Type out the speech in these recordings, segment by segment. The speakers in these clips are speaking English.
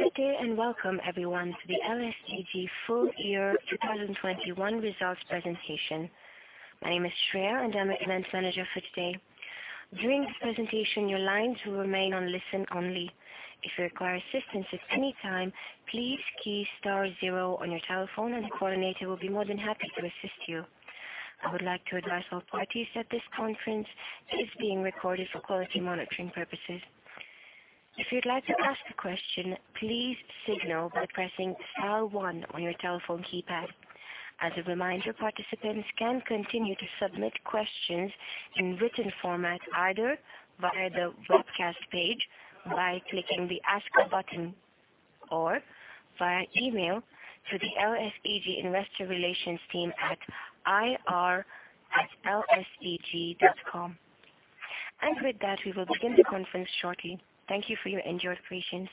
Good day and welcome everyone to the LSEG full year 2021 results presentation. My name is Shreya, and I'm your event manager for today. During this presentation, your lines will remain on listen only. If you require assistance at any time, please key star zero on your telephone and the coordinator will be more than happy to assist you. I would like to advise all parties that this conference is being recorded for quality monitoring purposes. If you'd like to ask a question, please signal by pressing dial one on your telephone keypad. As a reminder, participants can continue to submit questions in written format, either via the webcast page by clicking the Ask button or via email to the LSEG Investor Relations team at ir@lseg.com. With that, we will begin the conference shortly. Thank you for your patience.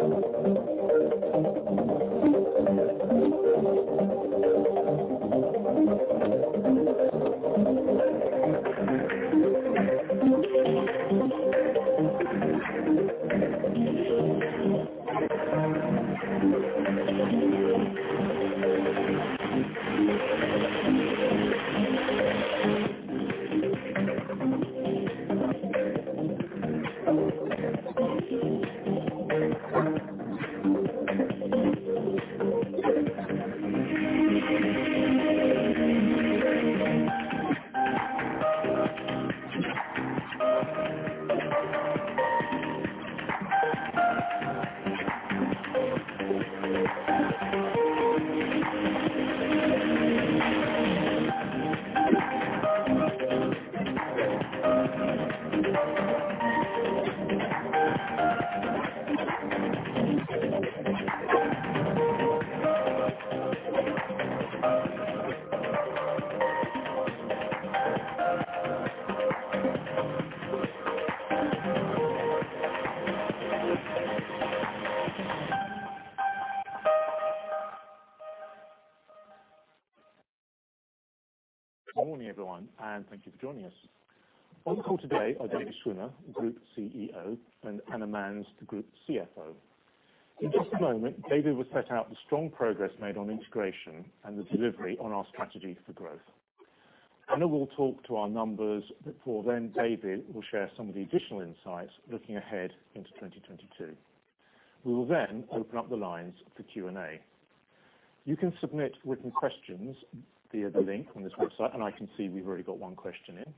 Good morning everyone, and thank you for joining us. On the call today are David Schwimmer, Group CEO, and Anna Manz, the Group CFO. In just a moment, David will set out the strong progress made on integration and the delivery on our strategy for growth. Anna will talk to our numbers. Before then, David will share some of the additional insights looking ahead into 2022. We will then open up the lines for Q&A. You can submit written questions via the link on this website, and I can see we've already got one question in.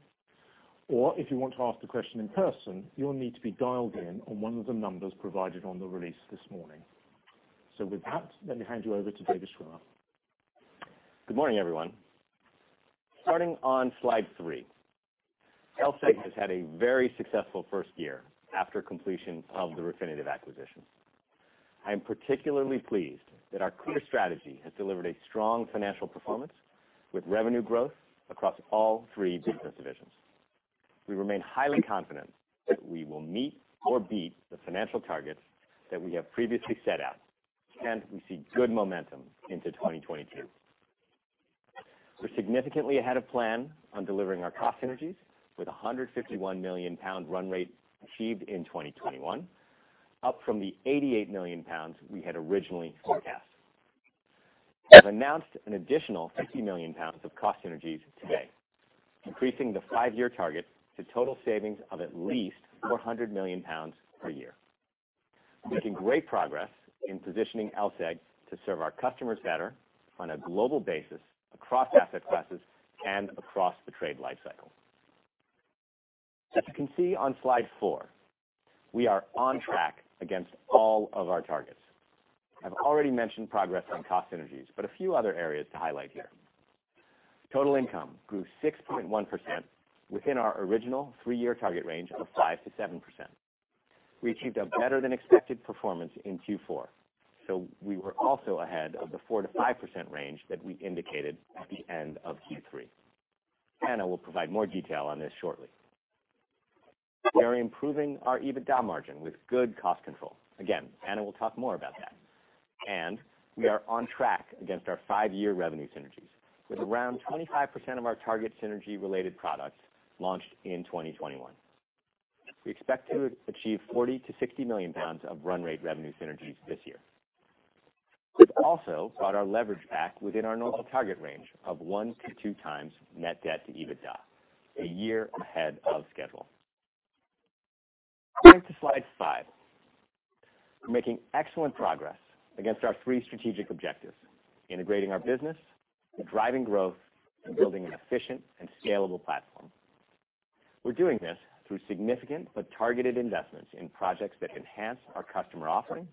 Or if you want to ask the question in person, you'll need to be dialed in on one of the numbers provided on the release this morning. With that, let me hand you over to David Schwimmer. Good morning, everyone. Starting on slide three. LSEG has had a very successful first year after completion of the Refinitiv acquisition. I am particularly pleased that our clear strategy has delivered a strong financial performance with revenue growth across all three business divisions. We remain highly confident that we will meet or beat the financial targets that we have previously set out, and we see good momentum into 2022. We're significantly ahead of plan on delivering our cost synergies with a 151 million pound run rate achieved in 2021, up from the 88 million pounds we had originally forecast. I've announced an additional 50 million pounds of cost synergies today, increasing the five-year target to total savings of at least 400 million pounds per year. Making great progress in positioning LSEG to serve our customers better on a global basis across asset classes and across the trade life cycle. As you can see on slide 4, we are on track against all of our targets. I've already mentioned progress on cost synergies, but a few other areas to highlight here. Total income grew 6.1% within our original three-year target range of 5%-7%. We achieved a better than expected performance in Q4. We were also ahead of the 4%-5% range that we indicated at the end of Q3. Anna will provide more detail on this shortly. We are improving our EBITDA margin with good cost control. Again, Anna will talk more about that. We are on track against our five-year revenue synergies, with around 25% of our target synergy-related products launched in 2021. We expect to achieve 40 million-60 million pounds of run rate revenue synergies this year. We've also got our leverage back within our normal target range of 1x-2x net debt to EBITDA, a year ahead of schedule. Turning to slide five. We're making excellent progress against our three strategic objectives, integrating our business, and driving growth, and building an efficient and scalable platform. We're doing this through significant but targeted investments in projects that enhance our customer offering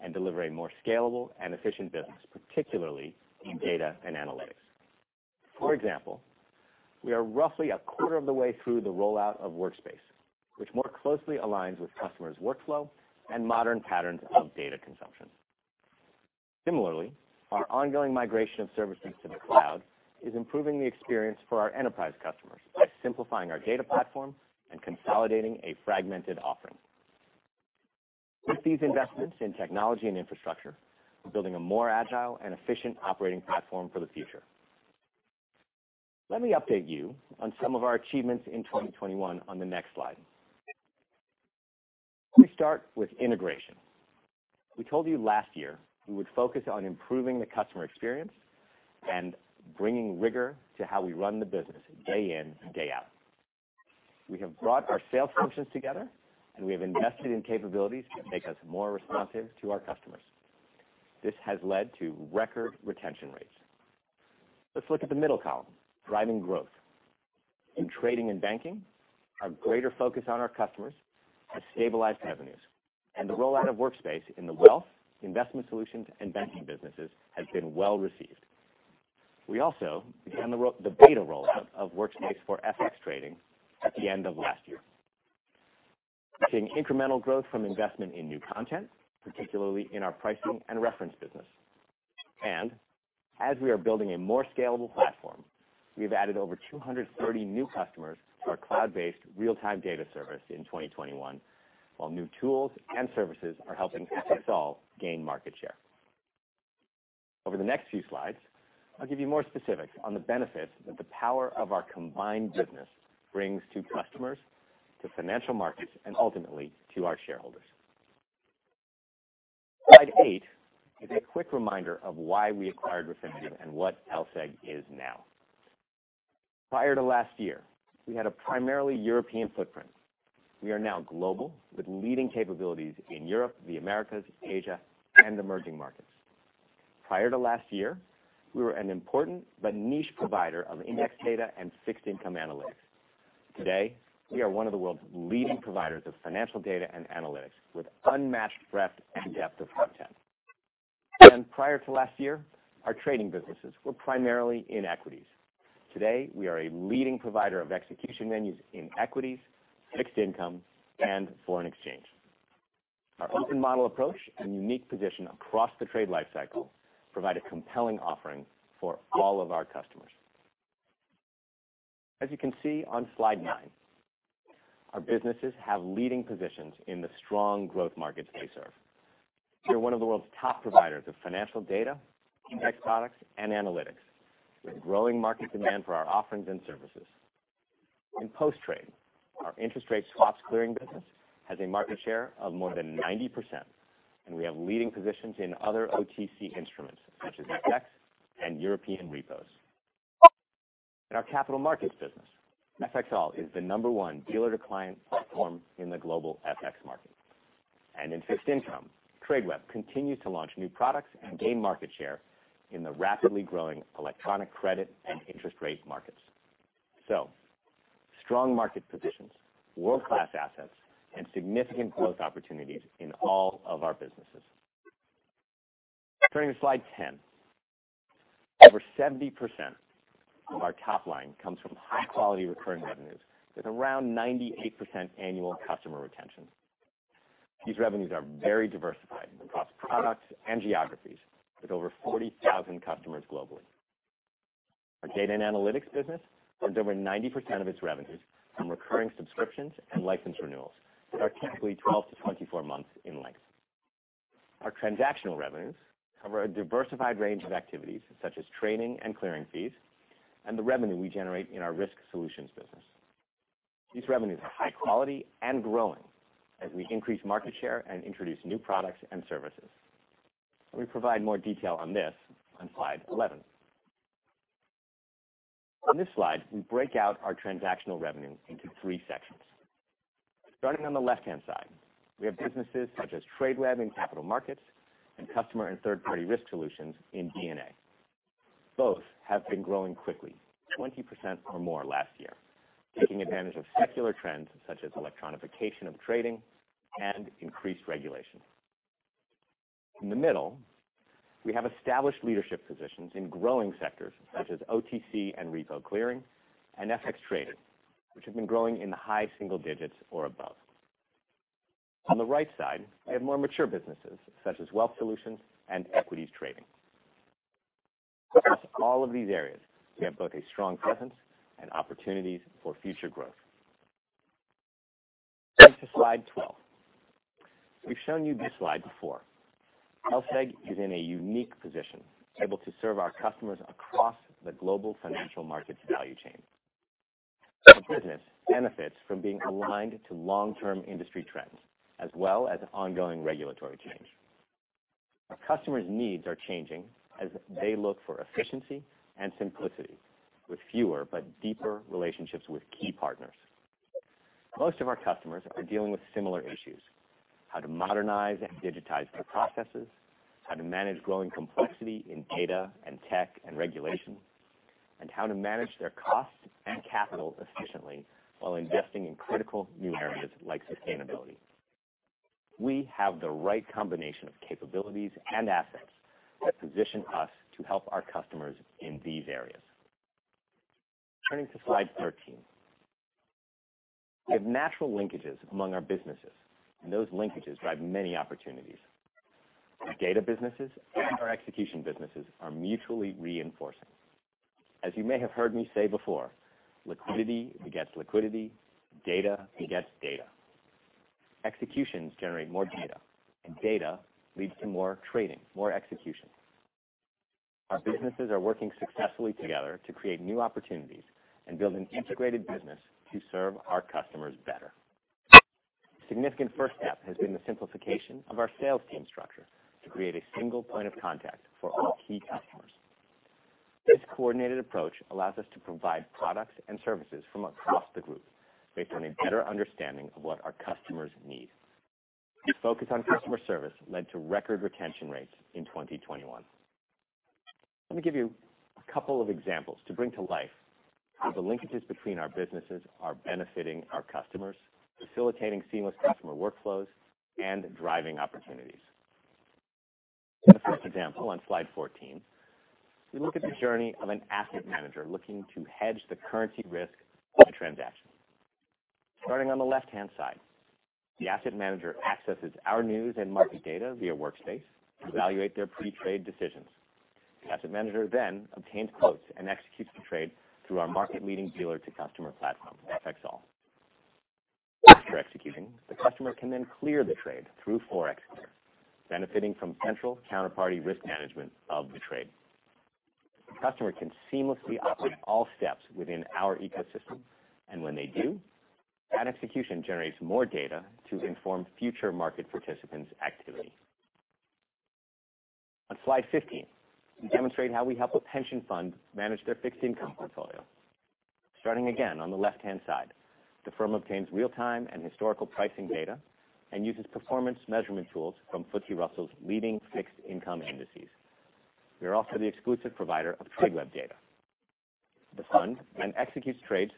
and deliver a more scalable and efficient business, particularly in Data and Analytics. For example, we are roughly a quarter of the way through the rollout of Workspace, which more closely aligns with customers' workflow and modern patterns of data consumption. Similarly, our ongoing migration of services to the cloud is improving the experience for our enterprise customers by simplifying our data platform and consolidating a fragmented offering. With these investments in technology and infrastructure, we're building a more agile and efficient operating platform for the future. Let me update you on some of our achievements in 2021 on the next slide. Let me start with integration. We told you last year we would focus on improving the customer experience and bringing rigor to how we run the business day in and day out. We have brought our sales functions together and we have invested in capabilities to make us more responsive to our customers. This has led to record retention rates. Let's look at the middle column, driving growth. In Trading and Banking, our greater focus on our customers has stabilized revenues, and the rollout of Workspace in the wealth, Investment Solutions, and banking businesses has been well received. We also began the beta rollout of Workspace for FX trading at the end of last year. We're seeing incremental growth from investment in new content, particularly in our Pricing and Reference business. As we are building a more scalable platform, we've added over 230 new customers to our cloud-based real-time data service in 2021, while new tools and services are helping FXall gain market share. Over the next few slides, I'll give you more specifics on the benefits that the power of our combined business brings to customers, to financial markets, and ultimately to our shareholders. Slide eight is a quick reminder of why we acquired Refinitiv and what LSEG is now. Prior to last year, we had a primarily European footprint. We are now global, with leading capabilities in Europe, the Americas, Asia, and emerging markets. Prior to last year, we were an important but niche provider of index data and fixed income analytics. Today, we are one of the world's leading providers of financial data and analytics with unmatched breadth and depth of content. Prior to last year, our trading businesses were primarily in equities. Today, we are a leading provider of execution venues in equities, fixed income, and foreign exchange. Our open model approach and unique position across the trade life cycle provide a compelling offering for all of our customers. As you can see on slide nine, our businesses have leading positions in the strong growth markets they serve. We are one of the world's top providers of financial data, index products, and analytics, with growing market demand for our offerings and services. In post-trade, our interest rate swaps clearing business has a market share of more than 90%, and we have leading positions in other OTC instruments, such as FX and European repos. In our capital markets business, FXall is the No. one dealer-to-client platform in the global FX market. In fixed income, Tradeweb continues to launch new products and gain market share in the rapidly growing electronic credit and interest rate markets. Strong market positions, world-class assets, and significant growth opportunities in all of our businesses. Turning to slide 10. Over 70% of our top line comes from high-quality recurring revenues, with around 98% annual customer retention. These revenues are very diversified across products and geographies, with over 40,000 customers globally. Our Data and Analytics business earns over 90% of its revenues from recurring subscriptions and license renewals that are typically 12-24 months in length. Our transactional revenues cover a diversified range of activities, such as training and clearing fees, and the revenue we generate in our risk solutions business. These revenues are high quality and growing as we increase market share and introduce new products and services. We provide more detail on this on slide 11. On this slide, we break out our transactional revenues into three sections. Starting on the left-hand side, we have businesses such as Tradeweb in capital markets and Customer and Third-Party Risk solutions in D&A. Both have been growing quickly, 20% or more last year, taking advantage of secular trends such as electronification of trading and increased regulation. In the middle, we have established leadership positions in growing sectors such as OTC and repo clearing and FX traded, which have been growing in the high single digits or above. On the right side, we have more mature businesses such as wealth solutions and equities trading. Across all of these areas, we have both a strong presence and opportunities for future growth. On to slide 12. We've shown you this slide before. LSEG is in a unique position, able to serve our customers across the global financial markets value chain. Our business benefits from being aligned to long-term industry trends as well as ongoing regulatory change. Our customers' needs are changing as they look for efficiency and simplicity with fewer but deeper relationships with key partners. Most of our customers are dealing with similar issues: how to modernize and digitize their processes, how to manage growing complexity in data and tech and regulation, and how to manage their costs and capital efficiently while investing in critical new areas like sustainability. We have the right combination of capabilities and assets that position us to help our customers in these areas. Turning to slide 13. We have natural linkages among our businesses, and those linkages drive many opportunities. Our data businesses and our execution businesses are mutually reinforcing. As you may have heard me say before, liquidity begets liquidity. Data begets data. Executions generate more data, and data leads to more trading, more execution. Our businesses are working successfully together to create new opportunities and build an integrated business to serve our customers better. A significant first step has been the simplification of our sales team structure to create a single point of contact for our key customers. This coordinated approach allows us to provide products and services from across the group based on a better understanding of what our customers need. This focus on customer service led to record retention rates in 2021. Let me give you a couple of examples to bring to life how the linkages between our businesses are benefiting our customers, facilitating seamless customer workflows, and driving opportunities. In this first example on slide 14, we look at the journey of an asset manager looking to hedge the currency risk of a transaction. Starting on the left-hand side, the asset manager accesses our news and market data via Workspace to evaluate their pre-trade decisions. The asset manager then obtains quotes and executes the trade through our market-leading dealer-to-customer platform, FXall. After executing, the customer can then clear the trade through ForexClear, benefiting from central counterparty risk management of the trade. The customer can seamlessly operate all steps within our ecosystem. When they do, that execution generates more data to inform future market participants' activity. On slide 15, we demonstrate how we help a pension fund manage their fixed income portfolio. Starting again on the left-hand side, the firm obtains real-time and historical pricing data and uses performance measurement tools from FTSE Russell's leading fixed income indices. We are also the exclusive provider of Tradeweb data. The fund then executes trades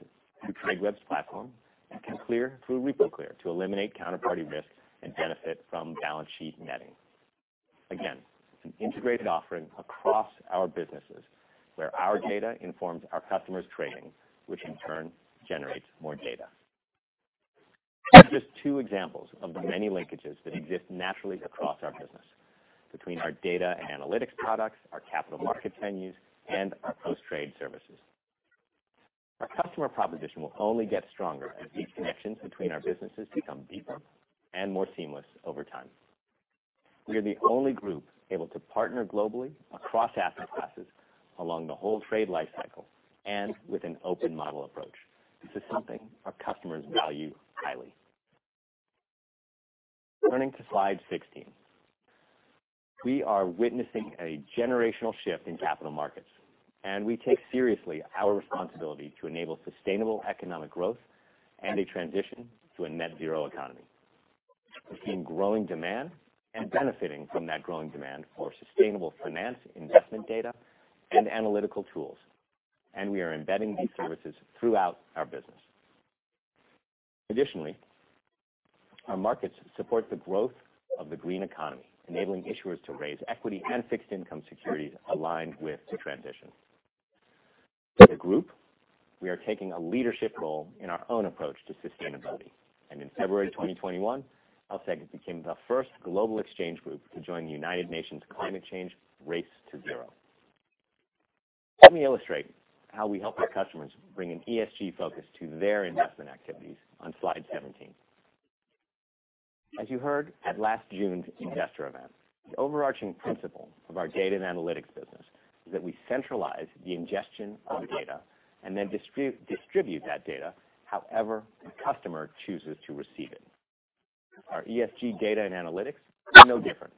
through Tradeweb's platform and can clear through RepoClear to eliminate counterparty risk and benefit from balance sheet netting. Again, it's an integrated offering across our businesses where our data informs our customers' trading, which in turn generates more data. These are just two examples of the many linkages that exist naturally across our business between our Data and Analytics products, our capital market venues, and our post-trade services. Our customer proposition will only get stronger as these connections between our businesses become deeper and more seamless over time. We are the only group able to partner globally across asset classes along the whole trade life cycle and with an open model approach. This is something our customers value highly. Turning to Slide 16. We are witnessing a generational shift in capital markets, and we take seriously our responsibility to enable sustainable economic growth and a transition to a net zero economy. We're seeing growing demand and benefiting from that growing demand for sustainable finance, investment data, and analytical tools. We are embedding these services throughout our business. Additionally, our markets support the growth of the green economy, enabling issuers to raise equity and fixed income securities aligned with the transition. As a group, we are taking a leadership role in our own approach to sustainability. In February 2021, LSEG became the first global exchange group to join the United Nations Climate Change Race to Zero. Let me illustrate how we help our customers bring an ESG focus to their investment activities on slide 17. As you heard at last June's investor event, the overarching principle of our Data and Analytics business is that we centralize the ingestion of the data and then distribute that data however the customer chooses to receive it. Our ESG data and analytics are no different.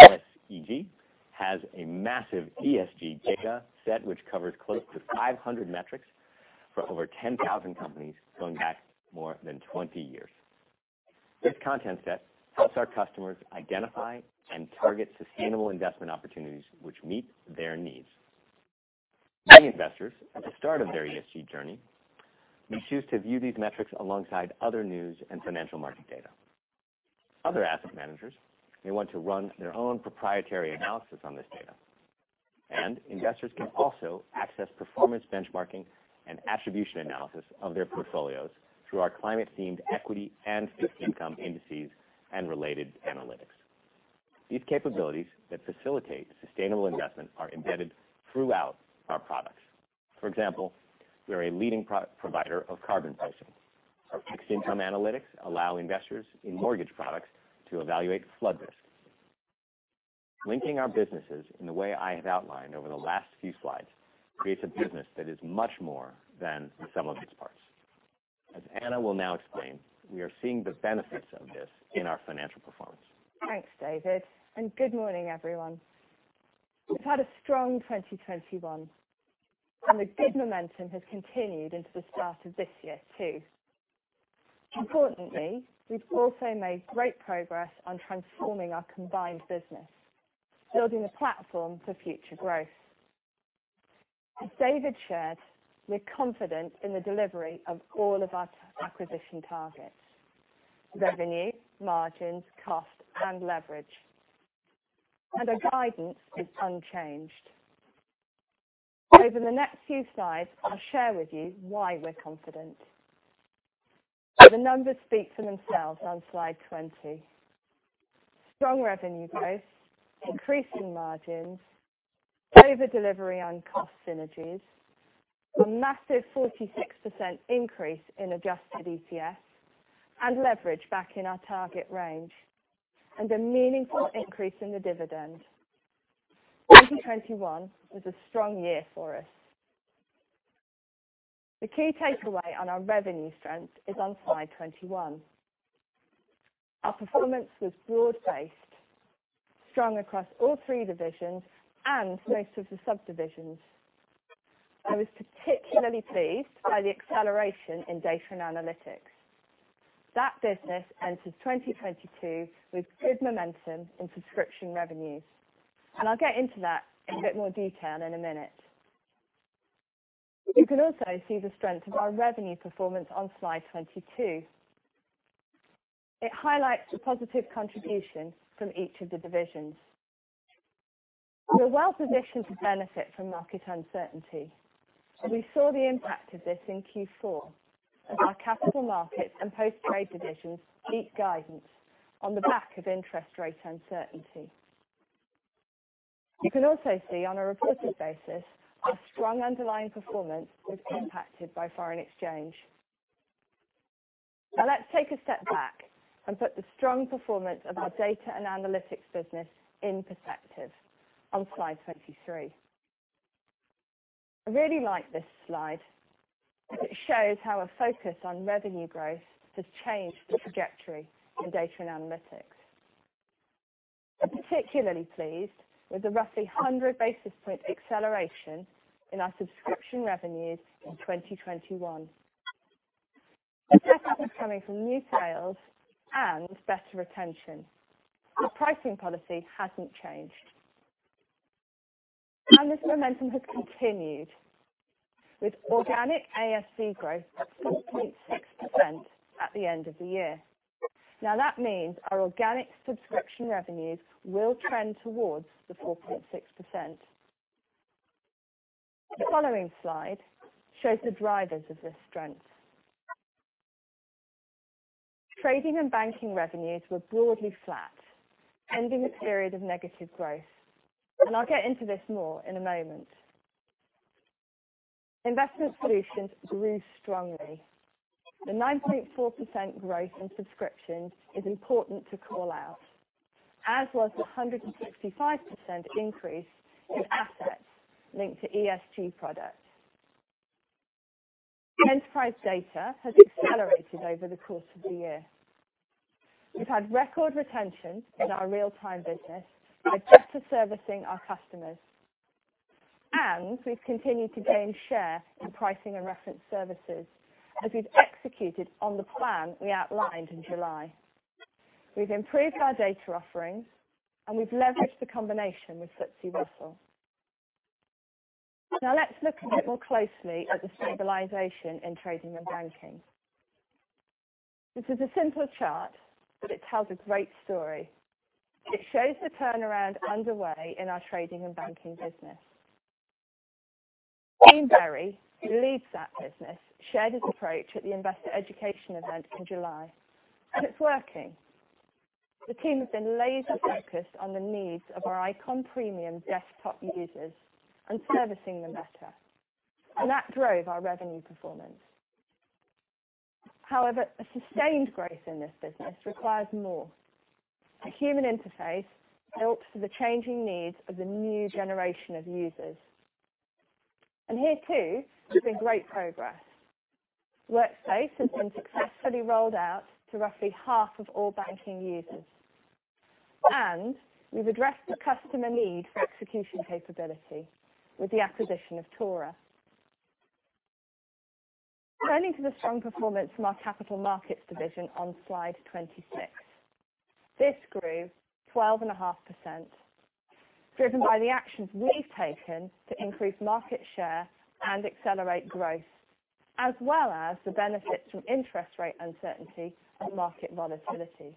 LSEG has a massive ESG data set which covers close to 500 metrics for over 10,000 companies going back more than 20 years. This content set helps our customers identify and target sustainable investment opportunities which meet their needs. Many investors at the start of their ESG journey may choose to view these metrics alongside other news and financial market data. Other asset managers may want to run their own proprietary analysis on this data, and investors can also access performance benchmarking and attribution analysis of their portfolios through our climate-themed equity and fixed income indices and related analytics. These capabilities that facilitate sustainable investment are embedded throughout our products. For example, we are a leading provider of carbon pricing. Our fixed income analytics allow investors in mortgage products to evaluate flood risk. Linking our businesses in the way I have outlined over the last few slides creates a business that is much more than the sum of its parts. As Anna will now explain, we are seeing the benefits of this in our financial performance. Thanks, David, and good morning, everyone. We've had a strong 2021, and the good momentum has continued into the start of this year too. Importantly, we've also made great progress on transforming our combined business, building a platform for future growth. As David shared, we're confident in the delivery of all of our acquisition targets, revenue, margins, cost, and leverage. Our guidance is unchanged. Over the next few slides, I'll share with you why we're confident. The numbers speak for themselves on slide 20. Strong revenue growth, increasing margins, over-delivery on cost synergies, a massive 46% increase in adjusted EPS and leverage back in our target range, and a meaningful increase in the dividend. 2021 was a strong year for us. The key takeaway on our revenue strength is on slide 21. Our performance was broad-based, strong across all three divisions and most of the subdivisions. I was particularly pleased by the acceleration in Data and Analytics. That business entered 2022 with good momentum in subscription revenues, and I'll get into that in a bit more detail in a minute. You can also see the strength of our revenue performance on slide 22. It highlights the positive contribution from each of the divisions. We're well-positioned to benefit from market uncertainty, and we saw the impact of this in Q4 as our capital markets and post-trade divisions beat guidance on the back of interest rate uncertainty. You can also see on a reported basis our strong underlying performance was impacted by foreign exchange. Now let's take a step back and put the strong performance of our Data and Analytics business in perspective on slide 23. I really like this slide because it shows how a focus on revenue growth has changed the trajectory in Data and Analytics. We're particularly pleased with the roughly 100 basis point acceleration in our subscription revenues in 2021. The pickup is coming from new sales and better retention. Our pricing policy hasn't changed. This momentum has continued with organic ASV growth of 4.6% at the end of the year. Now that means our organic subscription revenues will trend towards the 4.6%. The following slide shows the drivers of this strength. Trading and Banking revenues were broadly flat, ending a period of negative growth, and I'll get into this more in a moment. Investment Solutions grew strongly. The 9.4% growth in subscriptions is important to call out, as was the 165% increase in assets linked to ESG products. Enterprise Data has accelerated over the course of the year. Here, too, there's been great progress. Workspace has been successfully rolled out to roughly half of all banking users. We've addressed the customer need for execution capability with the acquisition of TORA. Turning to the strong performance from our Capital Markets division on slide 26. This grew 12.5%, driven by the actions we've taken to increase market share and accelerate growth, as well as the benefits from interest rate uncertainty and market volatility.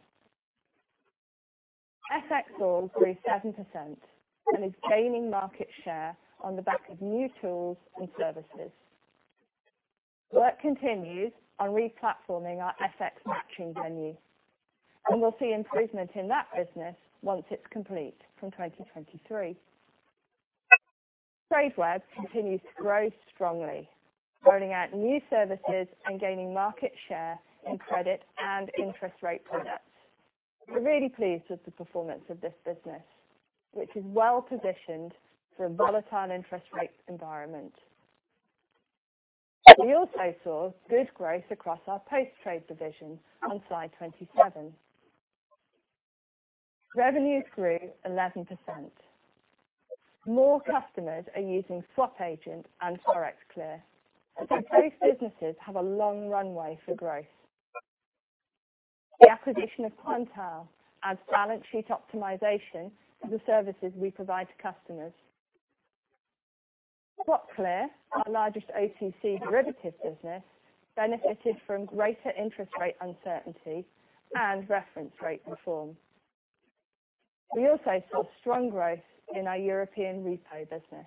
FXall grew 7% and is gaining market share on the back of new tools and services. Work continues on re-platforming our FX Matching venue, and we'll see improvement in that business once it's complete from 2023. Tradeweb continues to grow strongly, rolling out new services and gaining market share in credit and interest rate products. We're really pleased with the performance of this business, which is well-positioned for a volatile interest rate environment. We also saw good growth across our Post-Trade division on slide 27. Revenue grew 11%. More customers are using SwapAgent and ForexClear, so both businesses have a long runway for growth. The acquisition of Quantile adds balance sheet optimization to the services we provide to customers. SwapClear, our largest OTC derivatives business, benefited from greater interest rate uncertainty and reference rate reform. We also saw strong growth in our European repo business.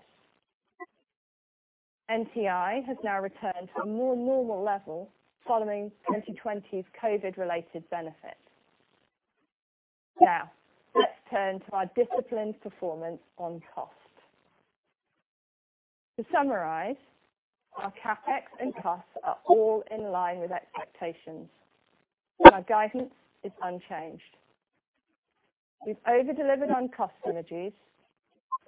NTI has now returned to a more normal level following 2020's COVID-related benefit. Now, let's turn to our disciplined performance on cost. To summarize, our CapEx and costs are all in line with expectations. Our guidance is unchanged. We've over-delivered on cost synergies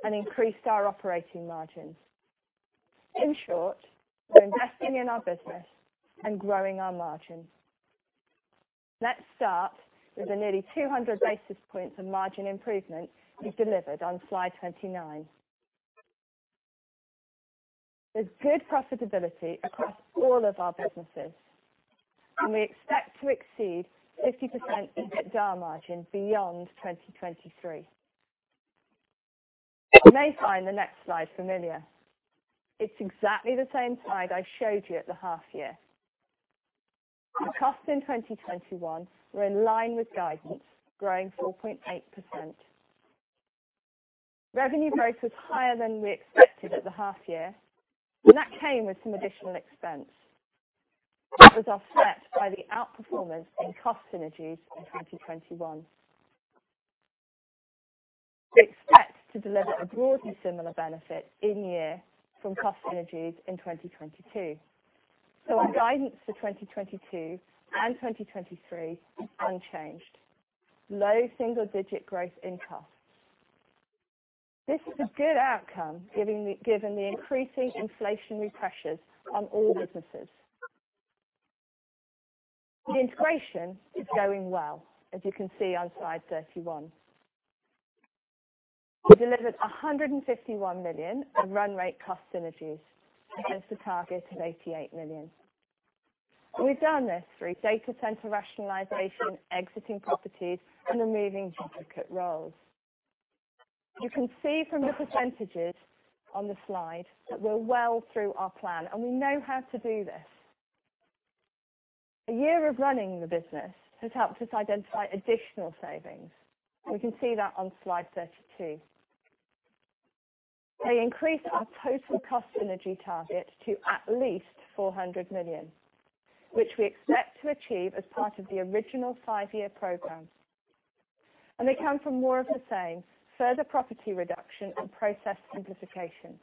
and increased our operating margins. In short, we're investing in our business and growing our margins. Let's start with the nearly 200 basis points of margin improvement we've delivered on slide 29. There's good profitability across all of our businesses, and we expect to exceed 50% EBITDA margin beyond 2023. You may find the next slide familiar. It's exactly the same slide I showed you at the half year. Our costs in 2021 were in line with guidance, growing 4.8%. Revenue growth was higher than we expected at the half year, and that came with some additional expense, which was offset by the outperformance in cost synergies in 2021. We expect to deliver a broadly similar benefit in year from cost synergies in 2022. Our guidance for 2022 and 2023 is unchanged. Low single-digit growth in costs. This is a good outcome, given the increasing inflationary pressures on all businesses. The integration is going well, as you can see on slide 31. We delivered 151 million of run rate cost synergies against a target of 88 million. We've done this through data center rationalization, exiting properties, and removing duplicate roles. You can see from the percentages on the slide that we're well through our plan, and we know how to do this. A year of running the business has helped us identify additional savings. We can see that on slide 32. They increase our total cost synergy target to at least 400 million, which we expect to achieve as part of the original 5-year program. They come from more of the same, further property reduction and process simplification.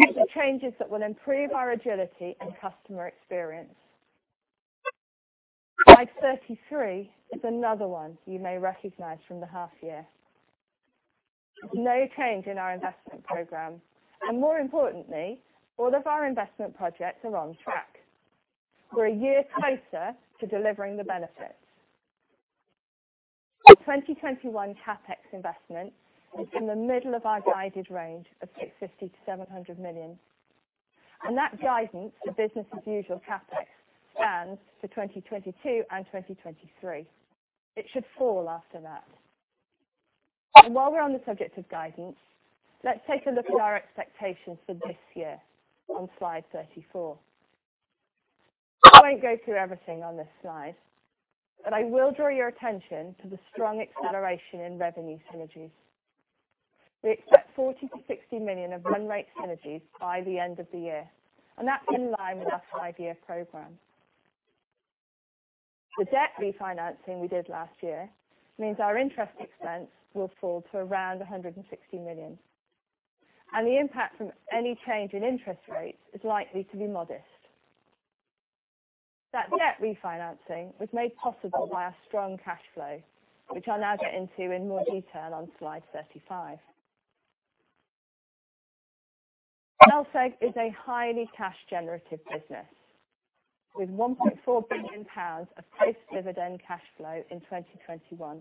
These are changes that will improve our agility and customer experience. Slide 33 is another one you may recognize from the half year. No change in our investment program, and more importantly, all of our investment projects are on track. We're a year closer to delivering the benefits. The 2021 CapEx investment is in the middle of our guided range of 650 million-700 million. That guidance for business as usual CapEx stands for 2022 and 2023. It should fall after that. While we're on the subject of guidance, let's take a look at our expectations for this year on slide 34. I won't go through everything on this slide, but I will draw your attention to the strong acceleration in revenue synergies. We expect 40 million-60 million of run rate synergies by the end of the year. That's in line with our 5-year program. The debt refinancing we did last year means our interest expense will fall to around 160 million, and the impact from any change in interest rates is likely to be modest. That debt refinancing was made possible by our strong cash flow, which I'll now get into in more detail on slide 35. LSEG is a highly cash generative business with 1.4 billion pounds of post-dividend cash flow in 2021.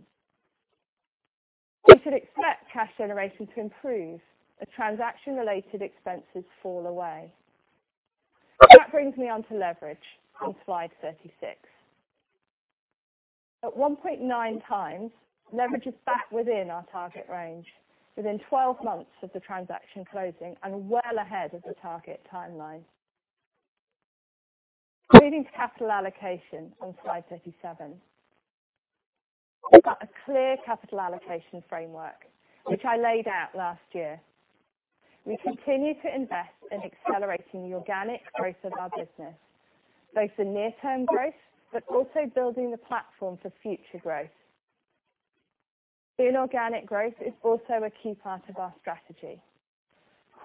We should expect cash generation to improve as transaction-related expenses fall away. That brings me on to leverage on slide 36. At 1.9x, leverage is back within our target range within 12 months of the transaction closing and well ahead of the target timeline. Moving to capital allocation on slide 37. We've got a clear capital allocation framework which I laid out last year. We continue to invest in accelerating the organic growth of our business, both the near-term growth, but also building the platform for future growth. Inorganic growth is also a key part of our strategy.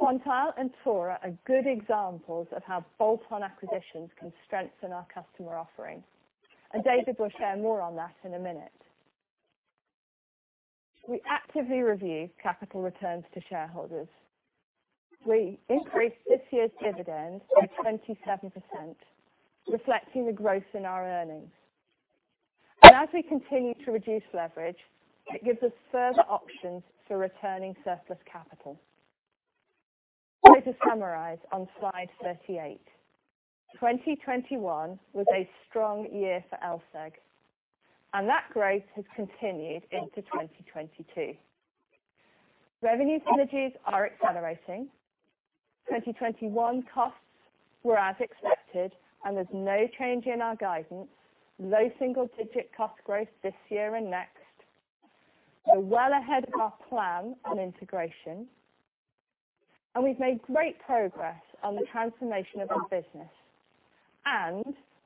Quantile and TORA are good examples of how bolt-on acquisitions can strengthen our customer offering. David will share more on that in a minute. We actively review capital returns to shareholders. We increased this year's dividend by 27%, reflecting the growth in our earnings. As we continue to reduce leverage, it gives us further options for returning surplus capital. To summarize on slide 38. 2021 was a strong year for LSEG, and that growth has continued into 2022. Revenue synergies are accelerating. 2021 costs were as expected and there's no change in our guidance. Low single-digit cost growth this year and next. We're well ahead of our plan on integration, and we've made great progress on the transformation of our business.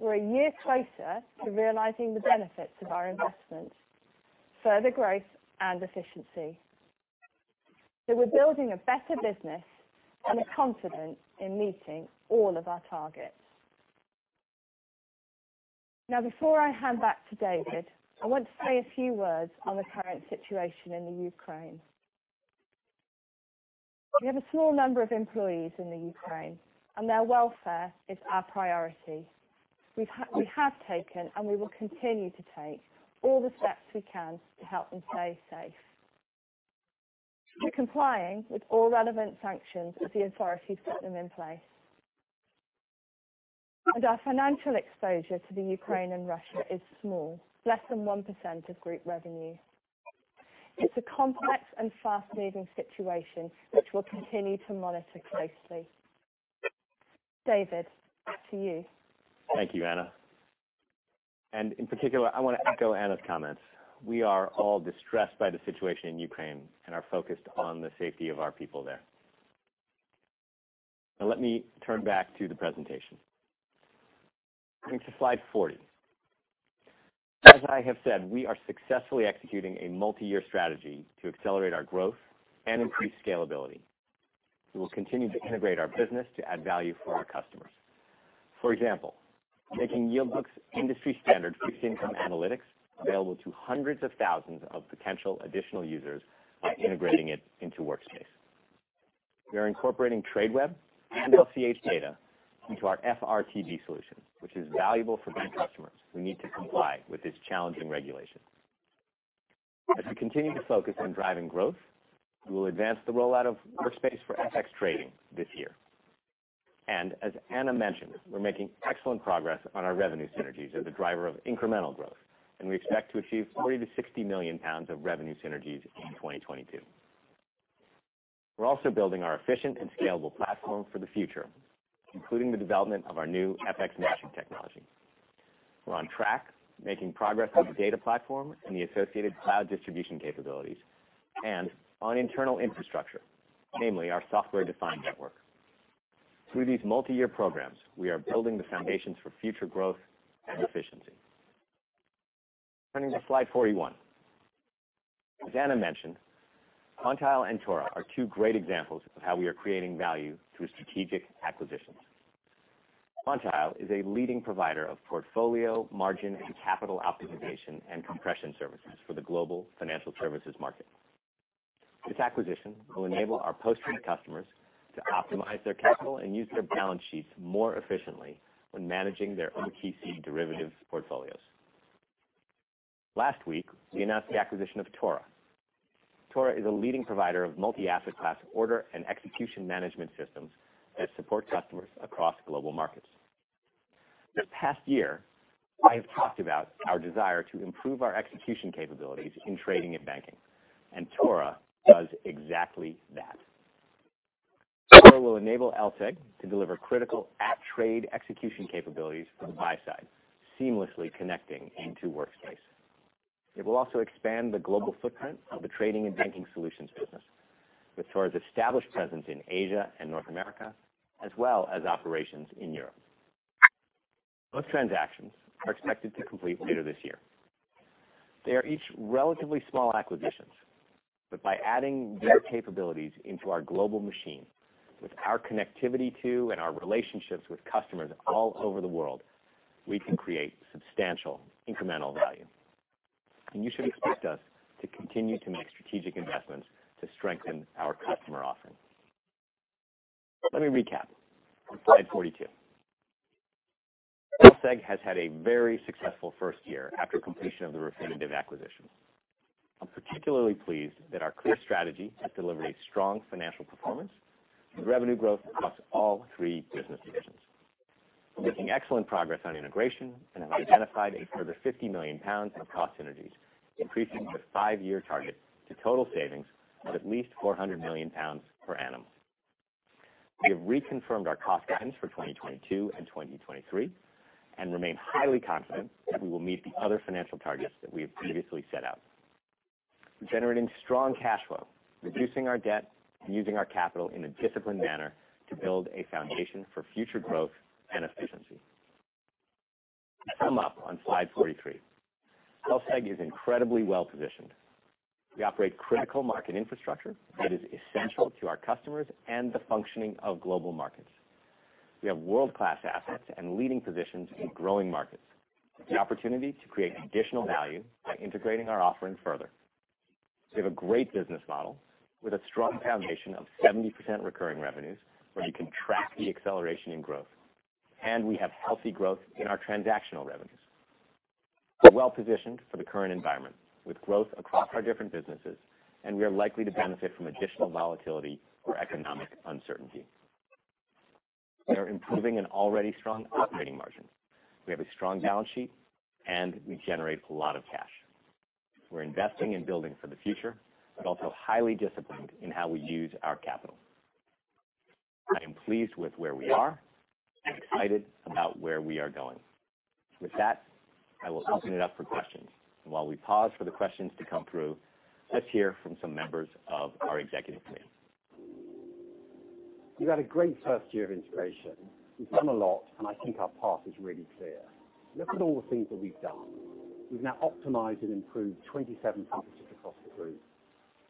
We're a year closer to realizing the benefits of our investments, further growth and efficiency. We're building a better business and are confident in meeting all of our targets. Now before I hand back to David, I want to say a few words on the current situation in the Ukraine. We have a small number of employees in the Ukraine, and their welfare is our priority. We have taken, and we will continue to take all the steps we can to help them stay safe. We're complying with all relevant sanctions as the authorities put them in place. Our financial exposure to the Ukraine and Russia is small, less than 1% of group revenue. It's a complex and fast-moving situation which we'll continue to monitor closely. David, back to you. Thank you, Anna. In particular, I wanna echo Anna's comments. We are all distressed by the situation in Ukraine and are focused on the safety of our people there. Now let me turn back to the presentation. Turning to slide 40. As I have said, we are successfully executing a multi-year strategy to accelerate our growth and increase scalability. We will continue to integrate our business to add value for our customers. For example, making Yield Book's industry standard fixed income analytics available to hundreds of thousands of potential additional users by integrating it into Workspace. We are incorporating Tradeweb and LCH data into our FRTB solution, which is valuable for bank customers who need to comply with this challenging regulation. As we continue to focus on driving growth, we will advance the rollout of Workspace for FX trading this year. As Anna mentioned, we're making excellent progress on our revenue synergies as a driver of incremental growth, and we expect to achieve 40 million-60 million pounds of revenue synergies in 2022. We're also building our efficient and scalable platform for the future, including the development of our new FX Matching technology. We're on track, making progress on the data platform and the associated cloud distribution capabilities and on internal infrastructure, namely our software-defined network. Through these multi-year programs, we are building the foundations for future growth and efficiency. Turning to slide 41. As Anna mentioned, Quantile and TORA are two great examples of how we are creating value through strategic acquisitions. Quantile is a leading provider of portfolio, margin, and capital optimization and compression services for the global financial services market. This acquisition will enable our post-trade customers to optimize their capital and use their balance sheets more efficiently when managing their OTC derivatives portfolios. Last week, we announced the acquisition of TORA. TORA is a leading provider of multi-asset class order and execution management systems that support customers across global markets. This past year, I have talked about our desire to improve our execution capabilities in Trading and Banking, and TORA does exactly that. TORA will enable LSEG to deliver critical at-trade execution capabilities for the buy side, seamlessly connecting into Workspace. It will also expand the global footprint of the Trading and Banking solutions business, with TORA's established presence in Asia and North America, as well as operations in Europe. Both transactions are expected to complete later this year. They are each relatively small acquisitions, but by adding their capabilities into our global machine with our connectivity to, and our relationships with customers all over the world, we can create substantial incremental value. You should expect us to continue to make strategic investments to strengthen our customer offering. Let me recap on slide 42. LSEG has had a very successful first year after completion of the Refinitiv acquisition. I'm particularly pleased that our clear strategy has delivered a strong financial performance with revenue growth across all three business divisions. We're making excellent progress on integration and have identified a further 50 million pounds of cost synergies, increasing our five-year target to total savings of at least 400 million pounds per annum. We have reconfirmed our cost guidance for 2022 and 2023, and remain highly confident that we will meet the other financial targets that we have previously set out. We're generating strong cash flow, reducing our debt, and using our capital in a disciplined manner to build a foundation for future growth and efficiency. To sum up on slide 43, LSEG is incredibly well-positioned. We operate critical market infrastructure that is essential to our customers and the functioning of global markets. We have world-class assets and leading positions in growing markets, with the opportunity to create additional value by integrating our offerings further. We have a great business model with a strong foundation of 70% recurring revenues, where you can track the acceleration in growth, and we have healthy growth in our transactional revenues. We're well-positioned for the current environment, with growth across our different businesses, and we are likely to benefit from additional volatility or economic uncertainty. We are improving an already strong operating margin. We have a strong balance sheet, and we generate a lot of cash. We're investing in building for the future, but also highly disciplined in how we use our capital. I am pleased with where we are and excited about where we are going. With that, I will open it up for questions. While we pause for the questions to come through, let's hear from some members of our executive team. We've had a great first year of integration. We've done a lot, and I think our path is really clear. Look at all the things that we've done. We've now optimized and improved 27 processes across the group.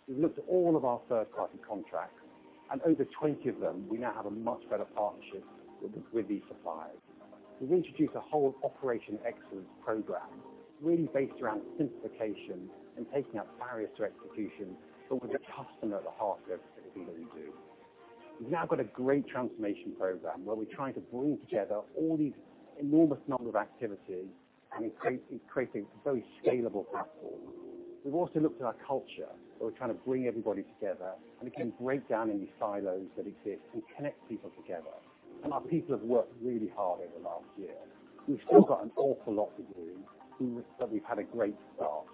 We've looked at all of our third-party contracts, and over 20 of them, we now have a much better partnership with these suppliers. We've introduced a whole operational excellence program, really based around simplification and taking out barriers to execution, but with the customer at the heart of everything that we do. We've now got a great transformation program where we're trying to bring together all these enormous number of activities and it's creating a very scalable platform. We've also looked at our culture. We're trying to bring everybody together, and again, break down any silos that exist and connect people together, and our people have worked really hard over the last year. We've still got an awful lot to do, but we've had a great start.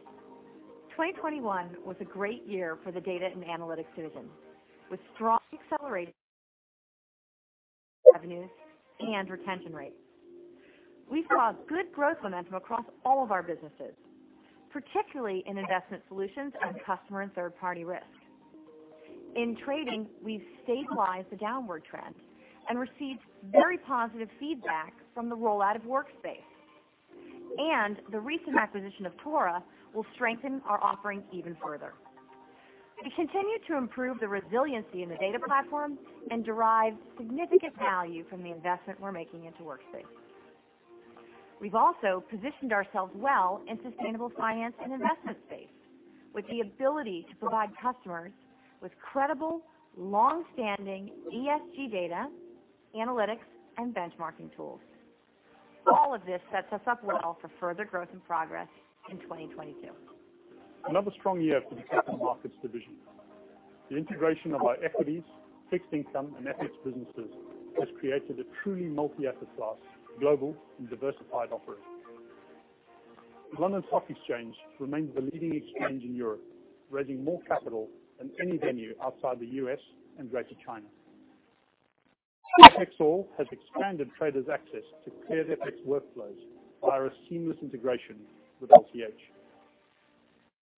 2021 was a great year for the Data and Analytics division, with strong accelerated revenues and retention rates. We saw good growth momentum across all of our businesses, particularly in Investment Solutions and Customer and Third-Party Risk. In trading, we've stabilized the downward trend and received very positive feedback from the rollout of Workspace. The recent acquisition of TORA will strengthen our offerings even further. We continue to improve the resiliency in the data platform and derive significant value from the investment we're making into Workspace. We've also positioned ourselves well in sustainable finance and investment space, with the ability to provide customers with credible, long-standing ESG data, analytics, and benchmarking tools. All of this sets us up well for further growth and progress in 2022. Another strong year for the Capital Markets division. The integration of our equities, fixed income, and FX businesses has created a truly multi-asset class, global, and diversified offering. The London Stock Exchange remains the leading exchange in Europe, raising more capital than any venue outside the U.S. and Greater China. FXall has expanded traders' access to clear FX workflows via a seamless integration with LCH.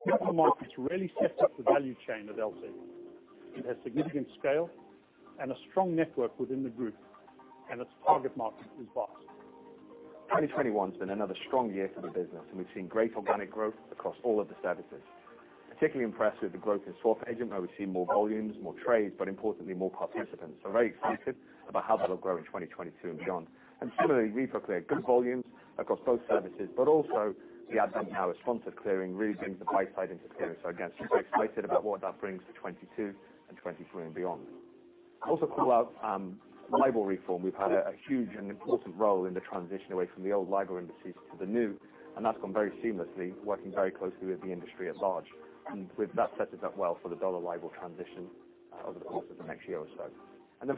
Capital Markets really steps up the value chain at LSEG. It has significant scale and a strong network within the group, and its target market is vast. 2021's been another strong year for the business, and we've seen great organic growth across all of the services. Particularly impressed with the growth in SwapAgent, where we've seen more volumes, more trades, but importantly, more participants. Very excited about how that'll grow in 2022 and beyond. Similarly, ForexClear, good volumes across both services, but also the advent now of sponsored clearing really brings the buy side into clearing. Again, just very excited about what that brings for 2022 and 2023 and beyond. I'd also call out LIBOR reform. We've had a huge and important role in the transition away from the old LIBOR indices to the new, and that's gone very seamlessly, working very closely with the industry at large. With that, sets us up well for the dollar LIBOR transition over the course of the next year or so.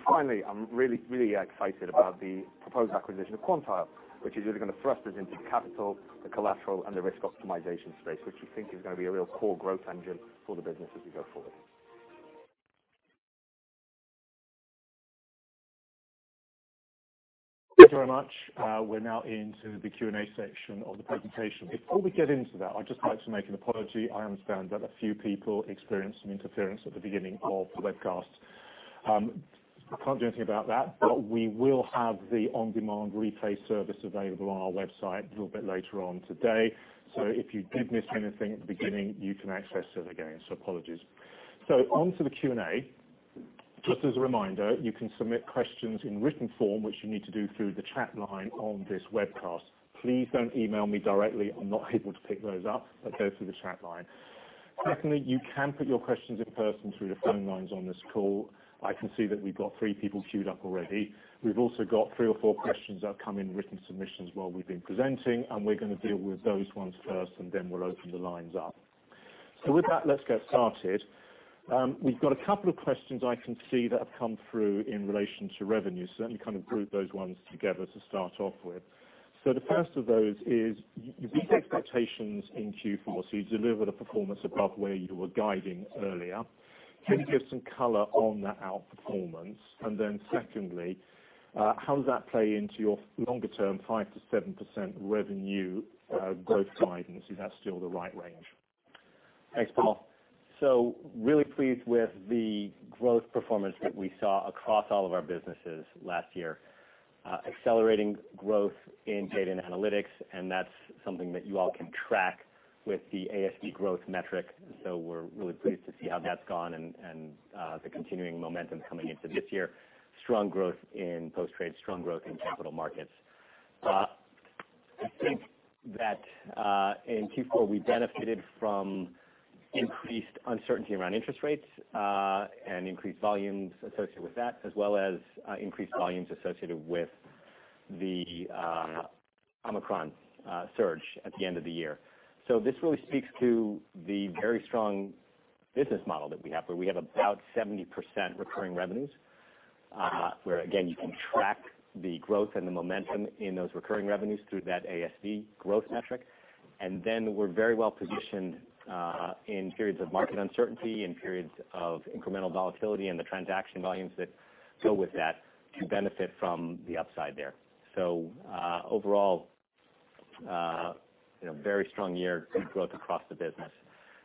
Finally, I'm really, really excited about the proposed acquisition of Quantile, which is really gonna thrust us into capital, the collateral, and the risk optimization space, which we think is gonna be a real core growth engine for the business as we go forward. Thank you very much. We're now into the Q&A section of the presentation. Before we get into that, I'd just like to make an apology. I understand that a few people experienced some interference at the beginning of the webcast. Can't do anything about that, but we will have the on-demand replay service available on our website a little bit later on today. If you did miss anything at the beginning, you can access it again. Apologies. Onto the Q&A. Just as a reminder, you can submit questions in written form, which you need to do through the chat line on this webcast. Please don't email me directly. I'm not able to pick those up, but go through the chat line. Secondly, you can put your questions in person through the phone lines on this call. I can see that we've got three people queued up already. We've also got three or four questions that come in written submissions while we've been presenting, and we're gonna deal with those ones first, and then we'll open the lines up. With that, let's get started. We've got a couple of questions I can see that have come through in relation to revenue. Let me kind of group those ones together to start off with. The first of those is you beat expectations in Q4, so you delivered a performance above where you were guiding earlier. Can you give some color on that outperformance? Secondly, how does that play into your longer-term 5%-7% revenue growth guidance? Is that still the right range? Thanks, Peregrine Riviere. Really pleased with the growth performance that we saw across all of our businesses last year. Accelerating growth in Data and Analytics, and that's something that you all can track with the ASV growth metric, we're really pleased to see how that's gone and the continuing momentum coming into this year. Strong growth in Post Trade, strong growth in Capital Markets. I think that in Q4, we benefited from increased uncertainty around interest rates and increased volumes associated with that, as well as increased volumes associated with the Omicron surge at the end of the year. This really speaks to the very strong business model that we have, where we have about 70% recurring revenues, where again, you can track the growth and the momentum in those recurring revenues through that ASV growth metric. We're very well-positioned in periods of market uncertainty and periods of incremental volatility and the transaction volumes that go with that to benefit from the upside there. Overall, you know, very strong year of growth across the business.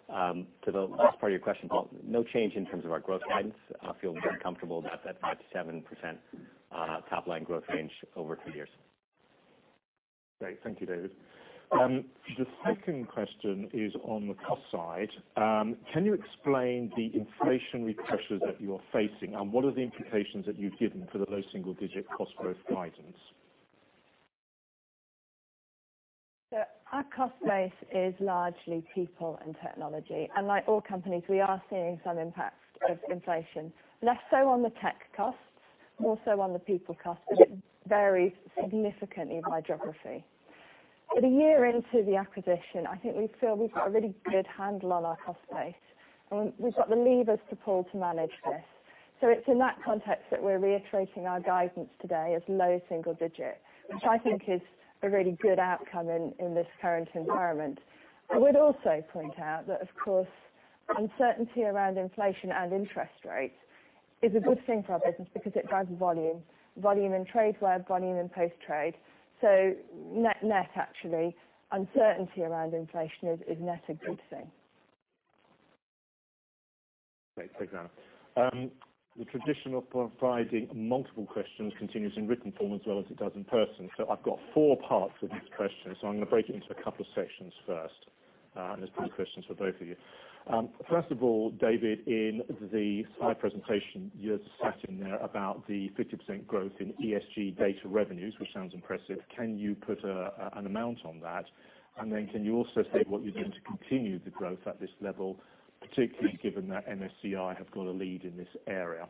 To the last part of your question, Paul, no change in terms of our growth guidance. I feel very comfortable about that 5%-7% top-line growth range over two years. Great. Thank you, David. The second question is on the cost side. Can you explain the inflationary pressures that you're facing, and what are the implications that you've given for the low single-digit cost growth guidance? Our cost base is largely people and technology. Like all companies, we are seeing some impacts of inflation, less so on the tech costs, more so on the people costs, but it varies significantly by geography. A year into the acquisition, I think we feel we've got a really good handle on our cost base, and we've got the levers to pull to manage this. It's in that context that we're reiterating our guidance today as low single digit, which I think is a really good outcome in this current environment. I would also point out that, of course, uncertainty around inflation and interest rates is a good thing for our business because it drives volume in trade flow, volume in post-trade. Net actually, uncertainty around inflation is net a good thing. Great. Thanks, Anna. The tradition of providing multiple questions continues in written form as well as it does in person. I've got four parts to this question, so I'm gonna break it into a couple of sections first. There's two questions for both of you. First of all, David, in the slide presentation, you're stating there about the 50% growth in ESG data revenues, which sounds impressive. Can you put an amount on that? And then can you also say what you're doing to continue the growth at this level, particularly given that MSCI have got a lead in this area?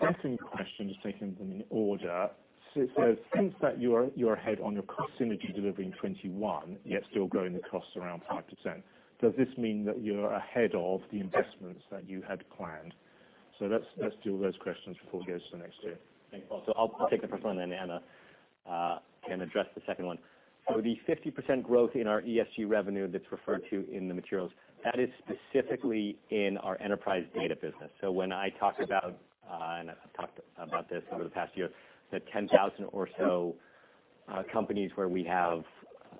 Second question, just taking them in order. It says, since you're ahead on your cost synergy delivering 21, yet still growing the costs around 5%, does this mean that you're ahead of the investments that you had planned? Let's deal with those questions before we go to the next two. Thanks, Paul. I'll take the first one, then Anna can address the second one. The 50% growth in our ESG revenue that's referred to in the materials, that is specifically in our Enterprise Data business. When I talk about, and I've talked about this over the past year, the 10,000 or so companies where we have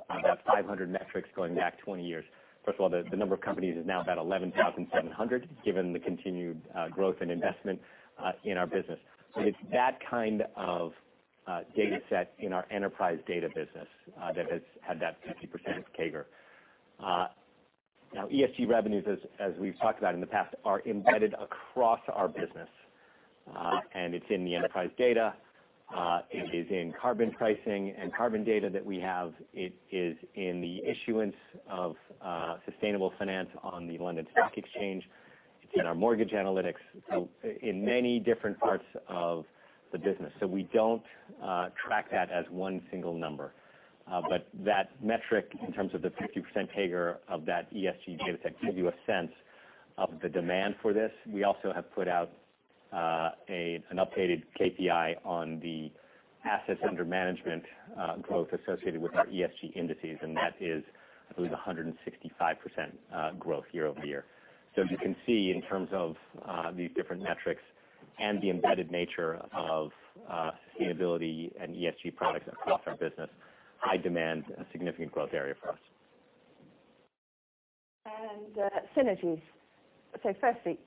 about 500 metrics going back 20 years. First of all, the number of companies is now about 11,700, given the continued growth and investment in our business. It's that kind of data set in our Enterprise Data business that has had that 50% CAGR. Now, ESG revenues, as we've talked about in the past, are embedded across our business. And it's in the Enterprise Data. It is in carbon pricing and carbon data that we have. It is in the issuance of sustainable finance on the London Stock Exchange. It's in our mortgage analytics. In many different parts of the business. We don't track that as one single number. But that metric in terms of the 50% CAGR of that ESG data set gives you a sense of the demand for this. We also have put out an updated KPI on the assets under management growth associated with our ESG indices, and that is, I believe, 165% growth year-over-year. As you can see, in terms of these different metrics and the embedded nature of sustainability and ESG products across our business, high demand, a significant growth area for us. Synergies. Firstly,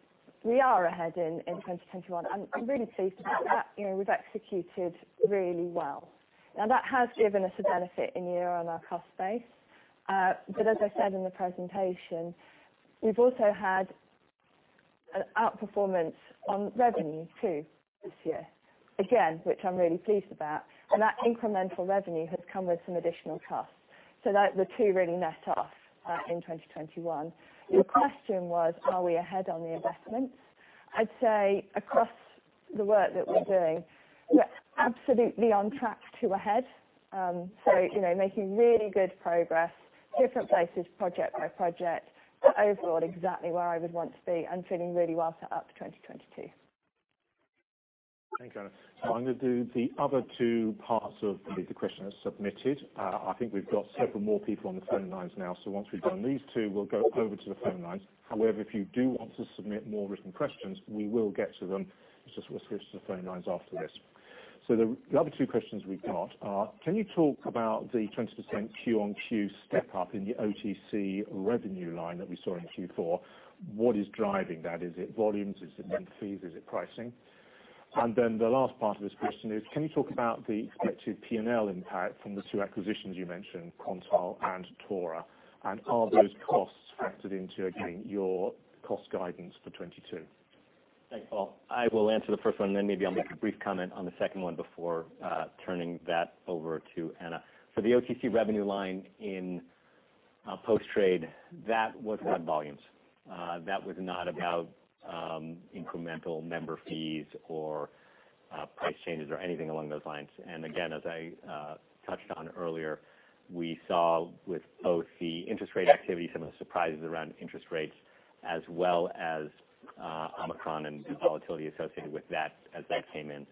we are ahead in 2021. I'm really pleased about that. You know, we've executed really well. Now, that has given us a benefit in year on our cost base. But as I said in the presentation, we've also had an outperformance on revenue too this year, again, which I'm really pleased about. And that incremental revenue has come with some additional costs. That the two really net off in 2021. Your question was, are we ahead on the investments? I'd say across the work that we're doing, we're absolutely on track to ahead. You know, making really good progress, different places, project by project. But overall, exactly where I would want to be and feeling really well set up to 2022. Thanks, Anna. I'm gonna do the other two parts of the question as submitted. I think we've got several more people on the phone lines now. Once we've done these two, we'll go over to the phone lines. However, if you do want to submit more written questions, we will get to them. Let's just switch to the phone lines after this. The other two questions we've got are, can you talk about the 20% Q-on-Q step up in the OTC revenue line that we saw in Q4? What is driving that? Is it volumes? Is it member fees? Is it pricing? And then the last part of this question is, can you talk about the expected P&L impact from the two acquisitions you mentioned, Quantile and TORA? And are those costs factored into, again, your cost guidance for 2022? Thanks, Peregrine Riviere. I will answer the first one, then maybe I'll make a brief comment on the second one before turning that over to Anna Manz. For the OTC revenue line in post-trade, that was around volumes. That was not about incremental member fees or price changes or anything along those lines. Again, as I touched on earlier, we saw with both the interest rate activity, some of the surprises around interest rates, as well as Omicron and the volatility associated with that as that came in,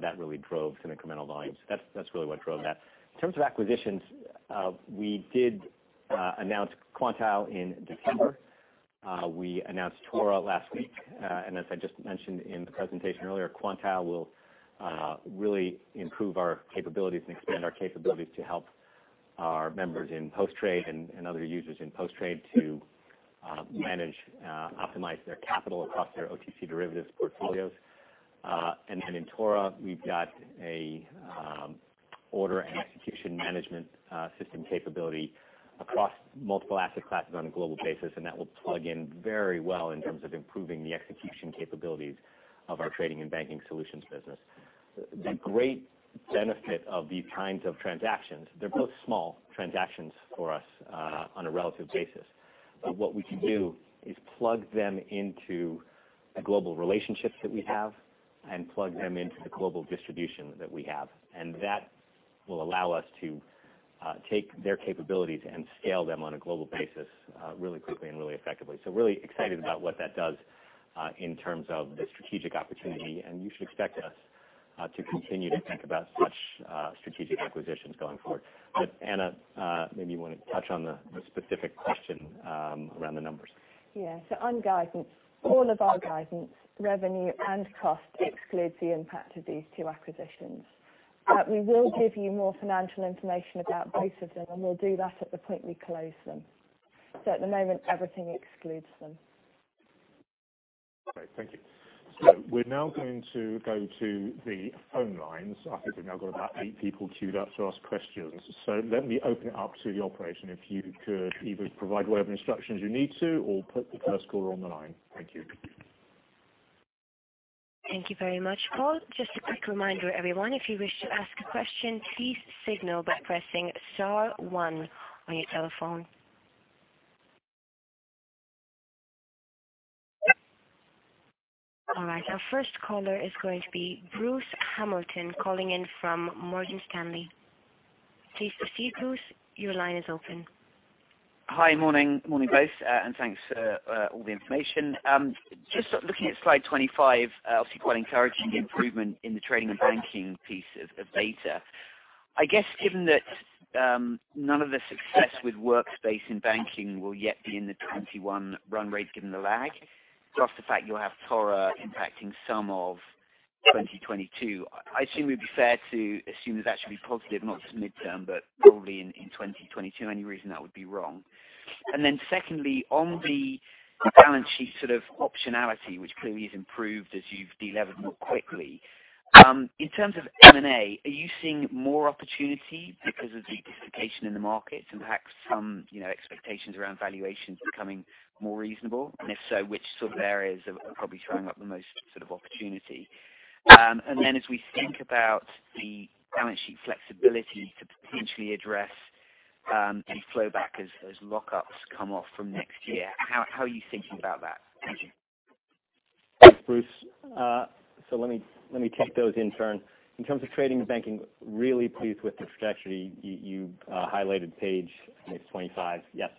that really drove some incremental volumes. That's really what drove that. In terms of acquisitions, we did announce Quantile in December. We announced TORA last week. As I just mentioned in the presentation earlier, Quantile will really improve our capabilities and expand our capabilities to help our members in post-trade and other users in post-trade to manage, optimize their capital across their OTC derivatives portfolios. In Tora, we've got a order and execution management system capability across multiple asset classes on a global basis, and that will plug in very well in terms of improving the execution capabilities of our Trading and Banking solutions business. The great benefit of these kinds of transactions, they're both small transactions for us on a relative basis. What we can do is plug them into the global relationships that we have and plug them into the global distribution that we have. That will allow us to take their capabilities and scale them on a global basis, really quickly and really effectively. Really excited about what that does in terms of the strategic opportunity, and you should expect us to continue to think about such strategic acquisitions going forward. Anna, maybe you wanna touch on the specific question around the numbers. Yeah. On guidance, all of our guidance, revenue and cost excludes the impact of these two acquisitions. We will give you more financial information about both of them, and we'll do that at the point we close them. At the moment, everything excludes them. Great. Thank you. We're now going to go to the phone lines. I think we've now got about eight people queued up to ask questions. Let me open it up to the operation. If you could either provide whatever instructions you need to or put the first caller on the line. Thank you. Thank you very much, Paul. Just a quick reminder, everyone, if you wish to ask a question, please signal by pressing star one on your telephone. All right, our first caller is going to be Bruce Hamilton calling in from Morgan Stanley. Please proceed, Bruce. Your line is open. Hi. Morning. Morning, both. And thanks for all the information. Just looking at slide 25, obviously quite encouraging the improvement in the Trading and Banking piece of data. I guess given that, none of the success with Workspace and banking will yet be in the 2021 run rate given the lag, plus the fact you'll have TORA impacting some of 2022, I assume it would be fair to assume that that should be positive, not mid-term, but probably in 2022. Any reason that would be wrong? Secondly, on the balance sheet sort of optionality, which clearly has improved as you've delevered more quickly, in terms of M&A, are you seeing more opportunity because of the diversification in the markets, perhaps some, you know, expectations around valuations becoming more reasonable? If so, which sort of areas are probably throwing up the most sort of opportunity? As we think about the balance sheet flexibility to potentially address any flow back as lockups come off from next year, how are you thinking about that? Thank you. Thanks, Bruce. Let me take those in turn. In terms of Trading and Banking, really pleased with the trajectory. You highlighted page 25. Yes.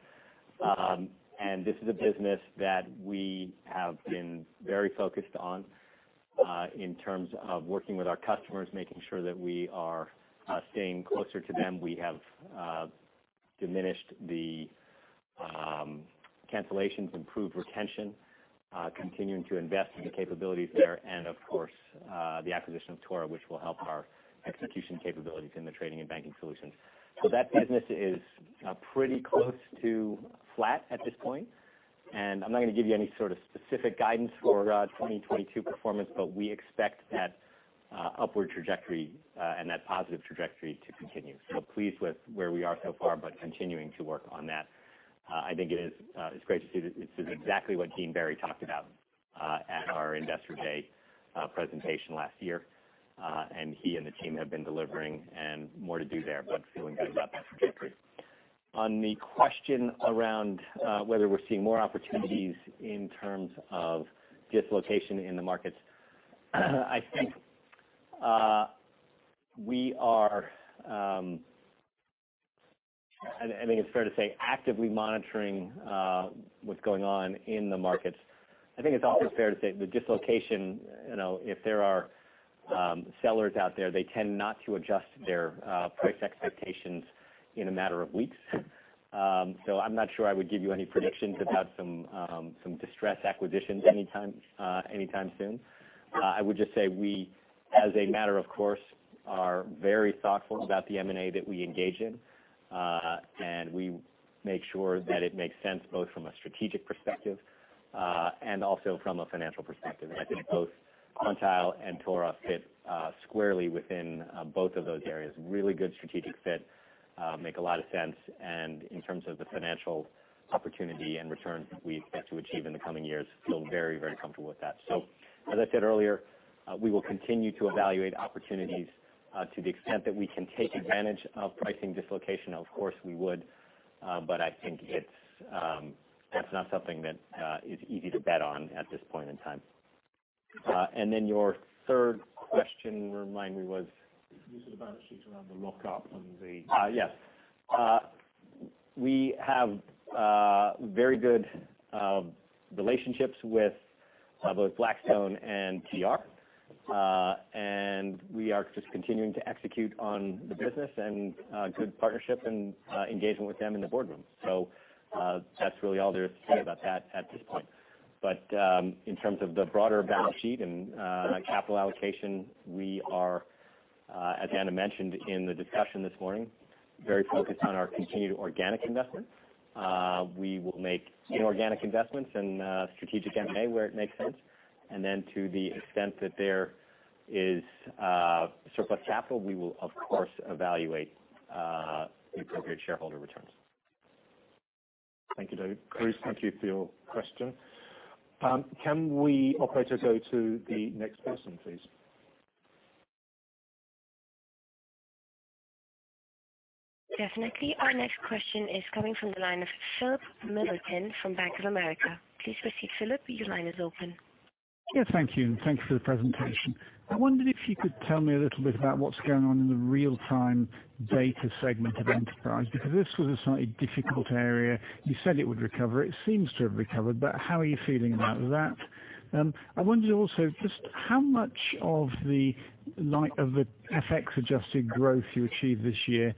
This is a business that we have been very focused on in terms of working with our customers, making sure that we are staying closer to them. We have diminished the cancellations, improved retention, continuing to invest in the capabilities there, and of course, the acquisition of TORA, which will help our execution capabilities in the Trading and Banking solutions. That business is pretty close to flat at this point. I'm not gonna give you any sort of specific guidance for 2022 performance, but we expect that upward trajectory and that positive trajectory to continue. Pleased with where we are so far, but continuing to work on that. I think it's great to see that this is exactly what Dean Berry talked about at our Investor Day presentation last year. He and the team have been delivering and more to do there, but feeling good about the trajectory. On the question around whether we're seeing more opportunities in terms of dislocation in the markets, I think we are. I think it's fair to say actively monitoring what's going on in the markets. I think it's always fair to say the dislocation, you know, if there are sellers out there, they tend not to adjust their price expectations in a matter of weeks. I'm not sure I would give you any predictions about some distressed acquisitions anytime soon. I would just say we, as a matter of course, are very thoughtful about the M&A that we engage in, and we make sure that it makes sense both from a strategic perspective, and also from a financial perspective. I think both Quantile and TORA fit squarely within both of those areas. Really good strategic fit, make a lot of sense, and in terms of the financial opportunity and return we expect to achieve in the coming years, feel very, very comfortable with that. As I said earlier, we will continue to evaluate opportunities, to the extent that we can take advantage of pricing dislocation, of course we would. I think that's not something that is easy to bet on at this point in time. Your third question, remind me, was? Use of the balance sheets around the lockup. Yes. We have very good relationships with both Blackstone and TR. We are just continuing to execute on the business and good partnership and engagement with them in the boardroom. That's really all there is to say about that at this point. In terms of the broader balance sheet and capital allocation, we are, as Anna mentioned in the discussion this morning, very focused on our continued organic investment. We will make inorganic investments in strategic M&A where it makes sense. Then to the extent that there is surplus capital, we will of course evaluate the appropriate shareholder returns. Thank you, Dave. Bruce, thank you for your question. Can we, operator, go to the next person, please? Definitely. Our next question is coming from the line of Philip Middleton from Bank of America. Please proceed, Philip, your line is open. Yes, thank you, and thanks for the presentation. I wondered if you could tell me a little bit about what's going on in the real-time data segment of Enterprise, because this was a slightly difficult area. You said it would recover, it seems to have recovered, but how are you feeling about that? I wonder also just how much of the FX adjusted growth you achieved this year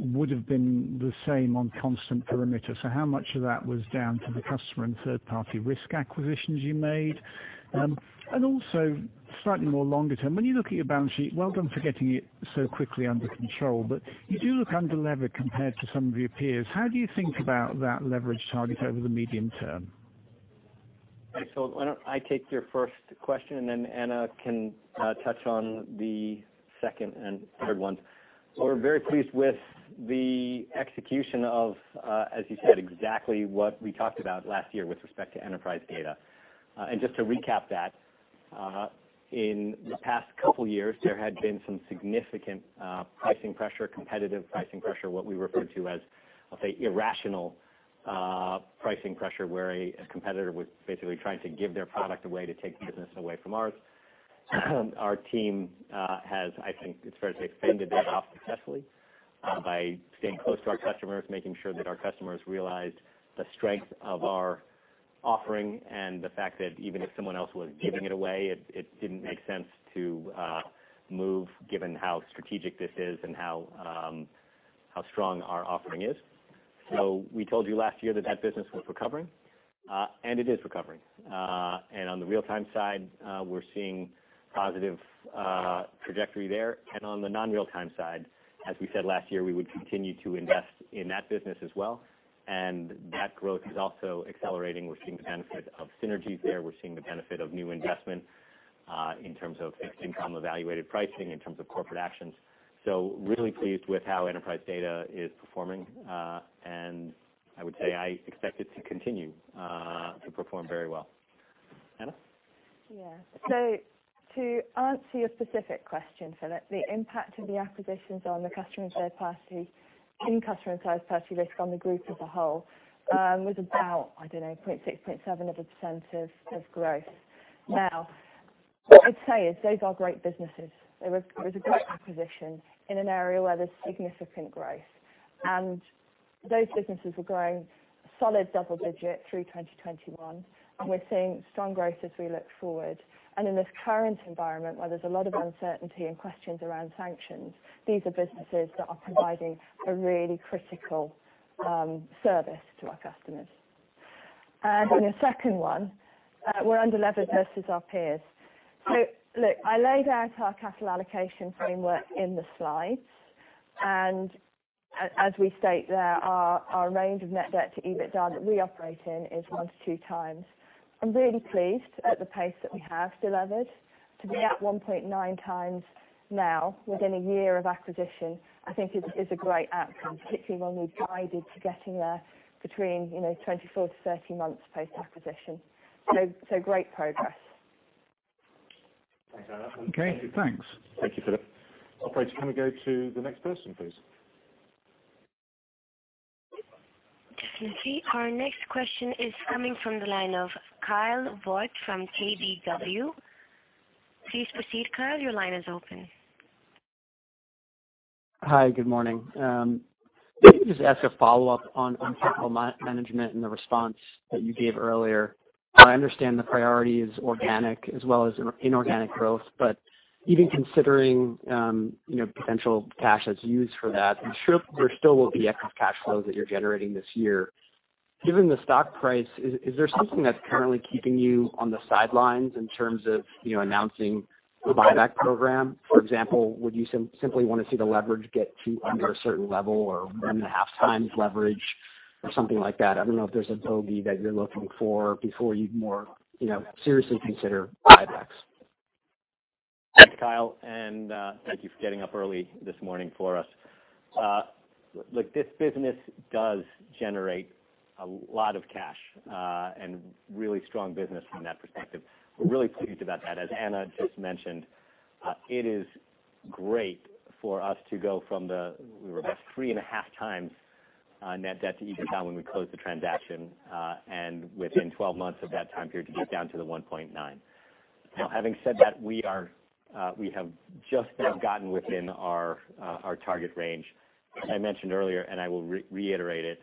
would have been the same on constant perimeter. So how much of that was down to the Customer and Third-Party Risk acquisitions you made? And also slightly more longer term, when you look at your balance sheet, well done for getting it so quickly under control, but you do look underlevered compared to some of your peers. How do you think about that leverage target over the medium term? Why don't I take your first question and then Anna can touch on the second and third ones. We're very pleased with the execution of, as you said, exactly what we talked about last year with respect to Enterprise Data. Just to recap that, in the past couple years, there had been some significant pricing pressure, competitive pricing pressure, what we refer to as, I'll say, irrational pricing pressure, where a competitor was basically trying to give their product away to take business away from ours. Our team has I think it's fair to say, fended that off successfully, by staying close to our customers, making sure that our customers realized the strength of our offering and the fact that even if someone else was giving it away, it didn't make sense to move, given how strategic this is and how strong our offering is. We told you last year that that business was recovering, and it is recovering. On the real-time side, we're seeing positive trajectory there. On the non-real-time side, as we said last year, we would continue to invest in that business as well. That growth is also accelerating. We're seeing the benefit of synergies there. We're seeing the benefit of new investment in terms of fixed income evaluated pricing, in terms of corporate actions. Really pleased with how Enterprise Data is performing. I would say I expect it to continue to perform very well. Anna? Yeah. To answer your specific question, Philip, the impact of the acquisitions on the Customer and Third-Party Risk on the group as a whole was about, I don't know, 0.6%-0.7% of growth. Now, what I'd say is those are great businesses. It was a great acquisition in an area where there's significant growth, and those businesses were growing solid double-digit through 2021, and we're seeing strong growth as we look forward. In this current environment, where there's a lot of uncertainty and questions around sanctions, these are businesses that are providing a really critical service to our customers. On the second one, we're underlevered versus our peers. Look, I laid out our capital allocation framework in the slides. As we state there, our range of net debt to EBITDA that we operate in is 1x-2x. I'm really pleased at the pace that we have delivered. To be at 1.x now within a year of acquisition, I think is a great outcome, particularly when we've guided to getting there between, you know, 24-30 months post-acquisition. Great progress. Thanks, Anna. Okay, thanks. Thank you, Philip. Operator, can we go to the next person, please? Definitely. Our next question is coming from the line of Kyle Voigt from KBW. Please proceed, Kyle. Your line is open. Hi. Good morning. Let me just ask a follow-up on capital management and the response that you gave earlier. I understand the priority is organic as well as inorganic growth. Even considering, you know, potential cash that's used for that, I'm sure there still will be excess cash flows that you're generating this year. Given the stock price, is there something that's currently keeping you on the sidelines in terms of, you know, announcing a buyback program? For example, would you simply wanna see the leverage get to under a certain level or one and a half times leverage or something like that? I don't know if there's a bogey that you're looking for before you'd more, you know, seriously consider buybacks. Thanks, Kyle, and thank you for getting up early this morning for us. Look, this business does generate a lot of cash, and really strong business from that perspective. We're really pleased about that. As Anna just mentioned, it is great for us. We were about 3.5x net debt to EBITDA when we closed the transaction, and within 12 months of that time period to get down to the 1.9. Now, having said that, we are, we have just about gotten within our target range. As I mentioned earlier, and I will reiterate it,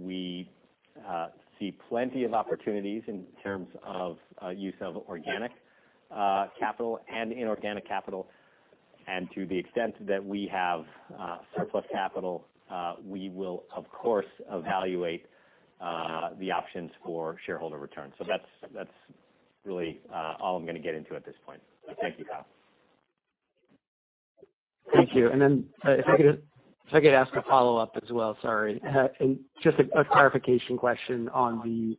we see plenty of opportunities in terms of use of organic capital and inorganic capital. To the extent that we have surplus capital, we will of course evaluate the options for shareholder return. That's really all I'm gonna get into at this point. Thank you, Kyle. Thank you. If I could ask a follow-up as well. Sorry. Just a clarification question on the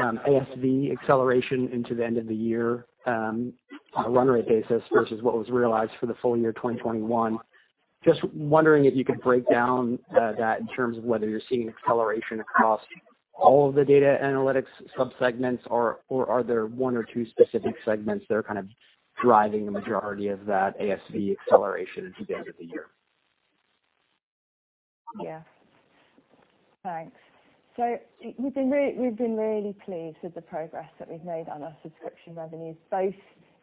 ASV acceleration into the end of the year, on a run rate basis versus what was realized for the full year 2021. Just wondering if you could break down that in terms of whether you're seeing acceleration across all of the Data & Analytics subsegments or are there one or two specific segments that are kind of driving the majority of that ASV acceleration into the end of the year? Yeah. Thanks. We've been really pleased with the progress that we've made on our subscription revenues, both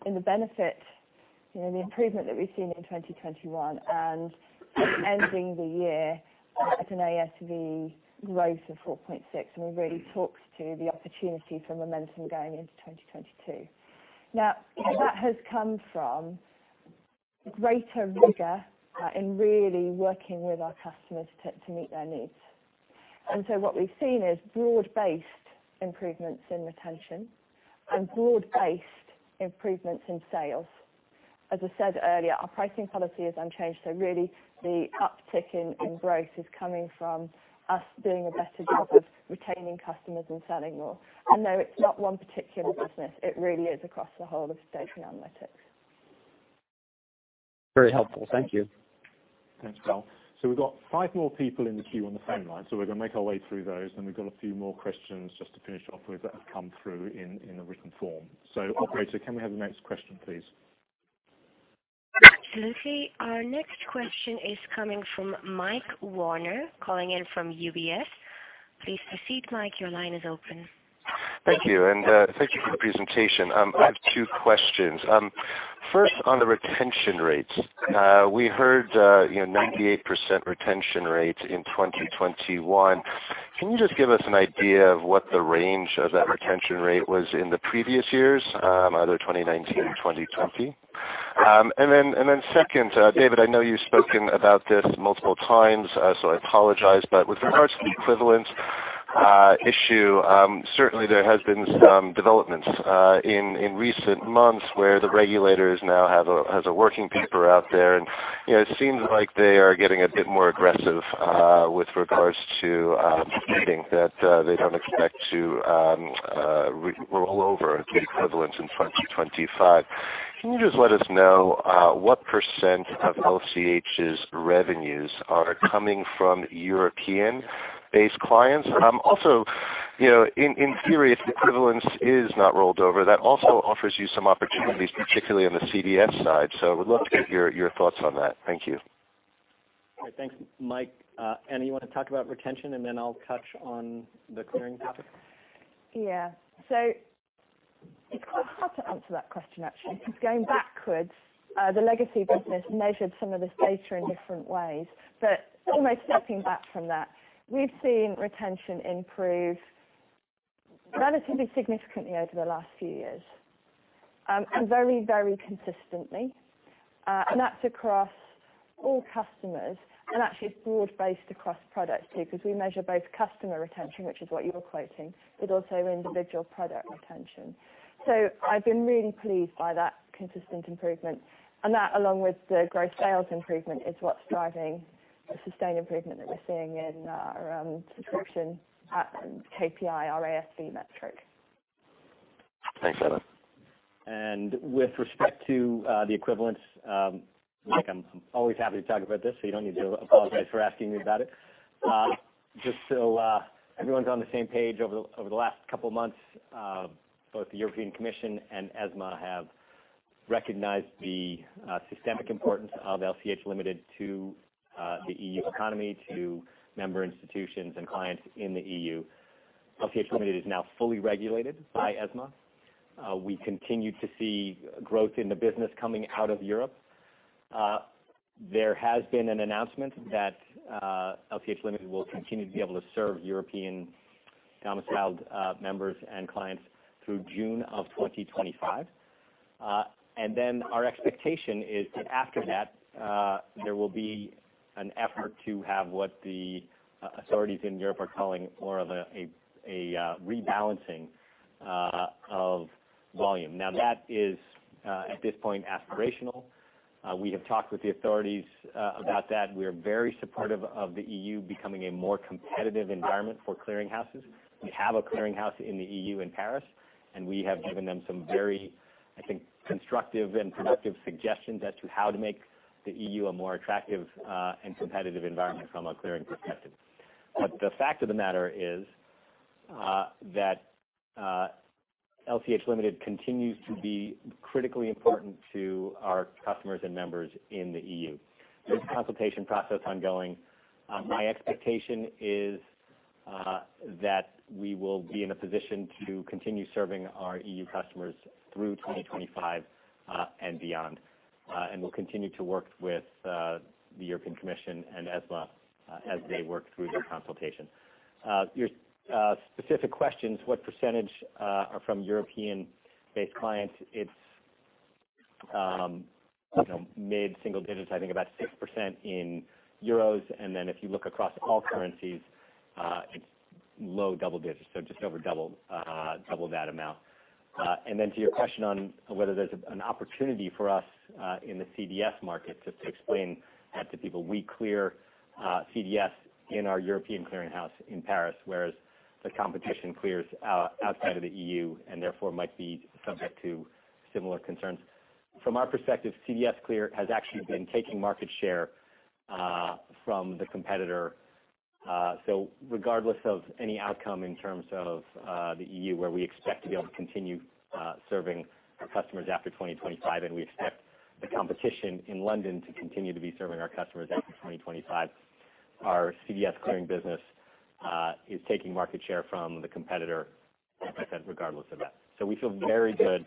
in the benefits, you know, the improvement that we've seen in 2021 and ending the year at an ASV growth of 4.6. We've really talked to the opportunity for momentum going into 2022. Now, that has come from greater rigor in really working with our customers to meet their needs. What we've seen is broad-based improvements in retention and broad-based improvements in sales. As I said earlier, our pricing policy is unchanged, so really the uptick in growth is coming from us doing a better job of retaining customers and selling more. No, it's not one particular business. It really is across the whole of Data and Analytics. Very helpful. Thank you. Thanks, Kyle. We've got five more people in the queue on the phone line. We're gonna make our way through those. We've got a few more questions just to finish off with that have come through in the written form. Operator, can we have the next question, please? Absolutely. Our next question is coming from Michael Werner, calling in from UBS. Please proceed, Mike. Your line is open. Thank you. Thank you for the presentation. I have two questions. First on the retention rates. We heard, you know, 98% retention rate in 2021. Can you just give us an idea of what the range of that retention rate was in the previous years, either 2019 or 2020? And then second, David, I know you've spoken about this multiple times, so I apologize. With regards to the equivalence issue, certainly there has been some developments in recent months where the regulators now have a working paper out there. You know, it seems like they are getting a bit more aggressive with regards to stating that they don't expect to re-roll over the equivalence in 2025. Can you just let us know what % of LCH's revenues are coming from European-based clients? Also, you know, in theory, if the equivalence is not rolled over, that also offers you some opportunities, particularly on the CDS side. Would love to get your thoughts on that. Thank you. All right. Thanks, Mike. Anna, you wanna talk about retention, and then I'll touch on the clearing topic? Yeah. It's quite hard to answer that question, actually. Going backwards, the legacy business measured some of this data in different ways. Almost stepping back from that, we've seen retention increase Relatively significantly over the last few years. Very, very consistently. That's across all customers and actually it's broad-based across products too, because we measure both customer retention, which is what you're quoting, but also individual product retention. I've been really pleased by that consistent improvement. That, along with the growth sales improvement, is what's driving the sustained improvement that we're seeing in our subscription KPI, our ASV metric. Thanks, Anna Manz. With respect to the equivalence, like I'm always happy to talk about this, so you don't need to apologize for asking me about it. Just so everyone's on the same page, over the last couple of months, both the European Commission and ESMA have recognized the systemic importance of LCH Limited to the EU economy, to member institutions and clients in the EU. LCH Limited is now fully regulated by ESMA. We continue to see growth in the business coming out of Europe. There has been an announcement that LCH Limited will continue to be able to serve European-domiciled members and clients through June of 2025. Our expectation is that after that, there will be an effort to have what the authorities in Europe are calling more of a rebalancing of volume. Now, that is at this point aspirational. We have talked with the authorities about that. We are very supportive of the EU becoming a more competitive environment for clearing houses. We have a clearing house in the EU in Paris, and we have given them some very, I think, constructive and productive suggestions as to how to make the EU a more attractive and competitive environment from a clearing perspective. The fact of the matter is that LCH Limited continues to be critically important to our customers and members in the EU. There's a consultation process ongoing. My expectation is that we will be in a position to continue serving our EU customers through 2025 and beyond. We'll continue to work with the European Commission and ESMA as they work through their consultation. Your specific questions, what percentage are from European-based clients? It's, you know, mid-single digits, I think about 6% in euros. Then if you look across all currencies, it's low double digits. Just over double that amount. To your question on whether there's an opportunity for us in the CDS market, just to explain that to people. We clear CDS in our European clearing house in Paris, whereas the competition clears outside of the EU and therefore might be subject to similar concerns. From our perspective, CDSClear has actually been taking market share from the competitor. Regardless of any outcome in terms of the EU, where we expect to be able to continue serving our customers after 2025, and we expect the competition in London to continue to be serving our customers after 2025, our CDSClear business is taking market share from the competitor, like I said, regardless of that. We feel very good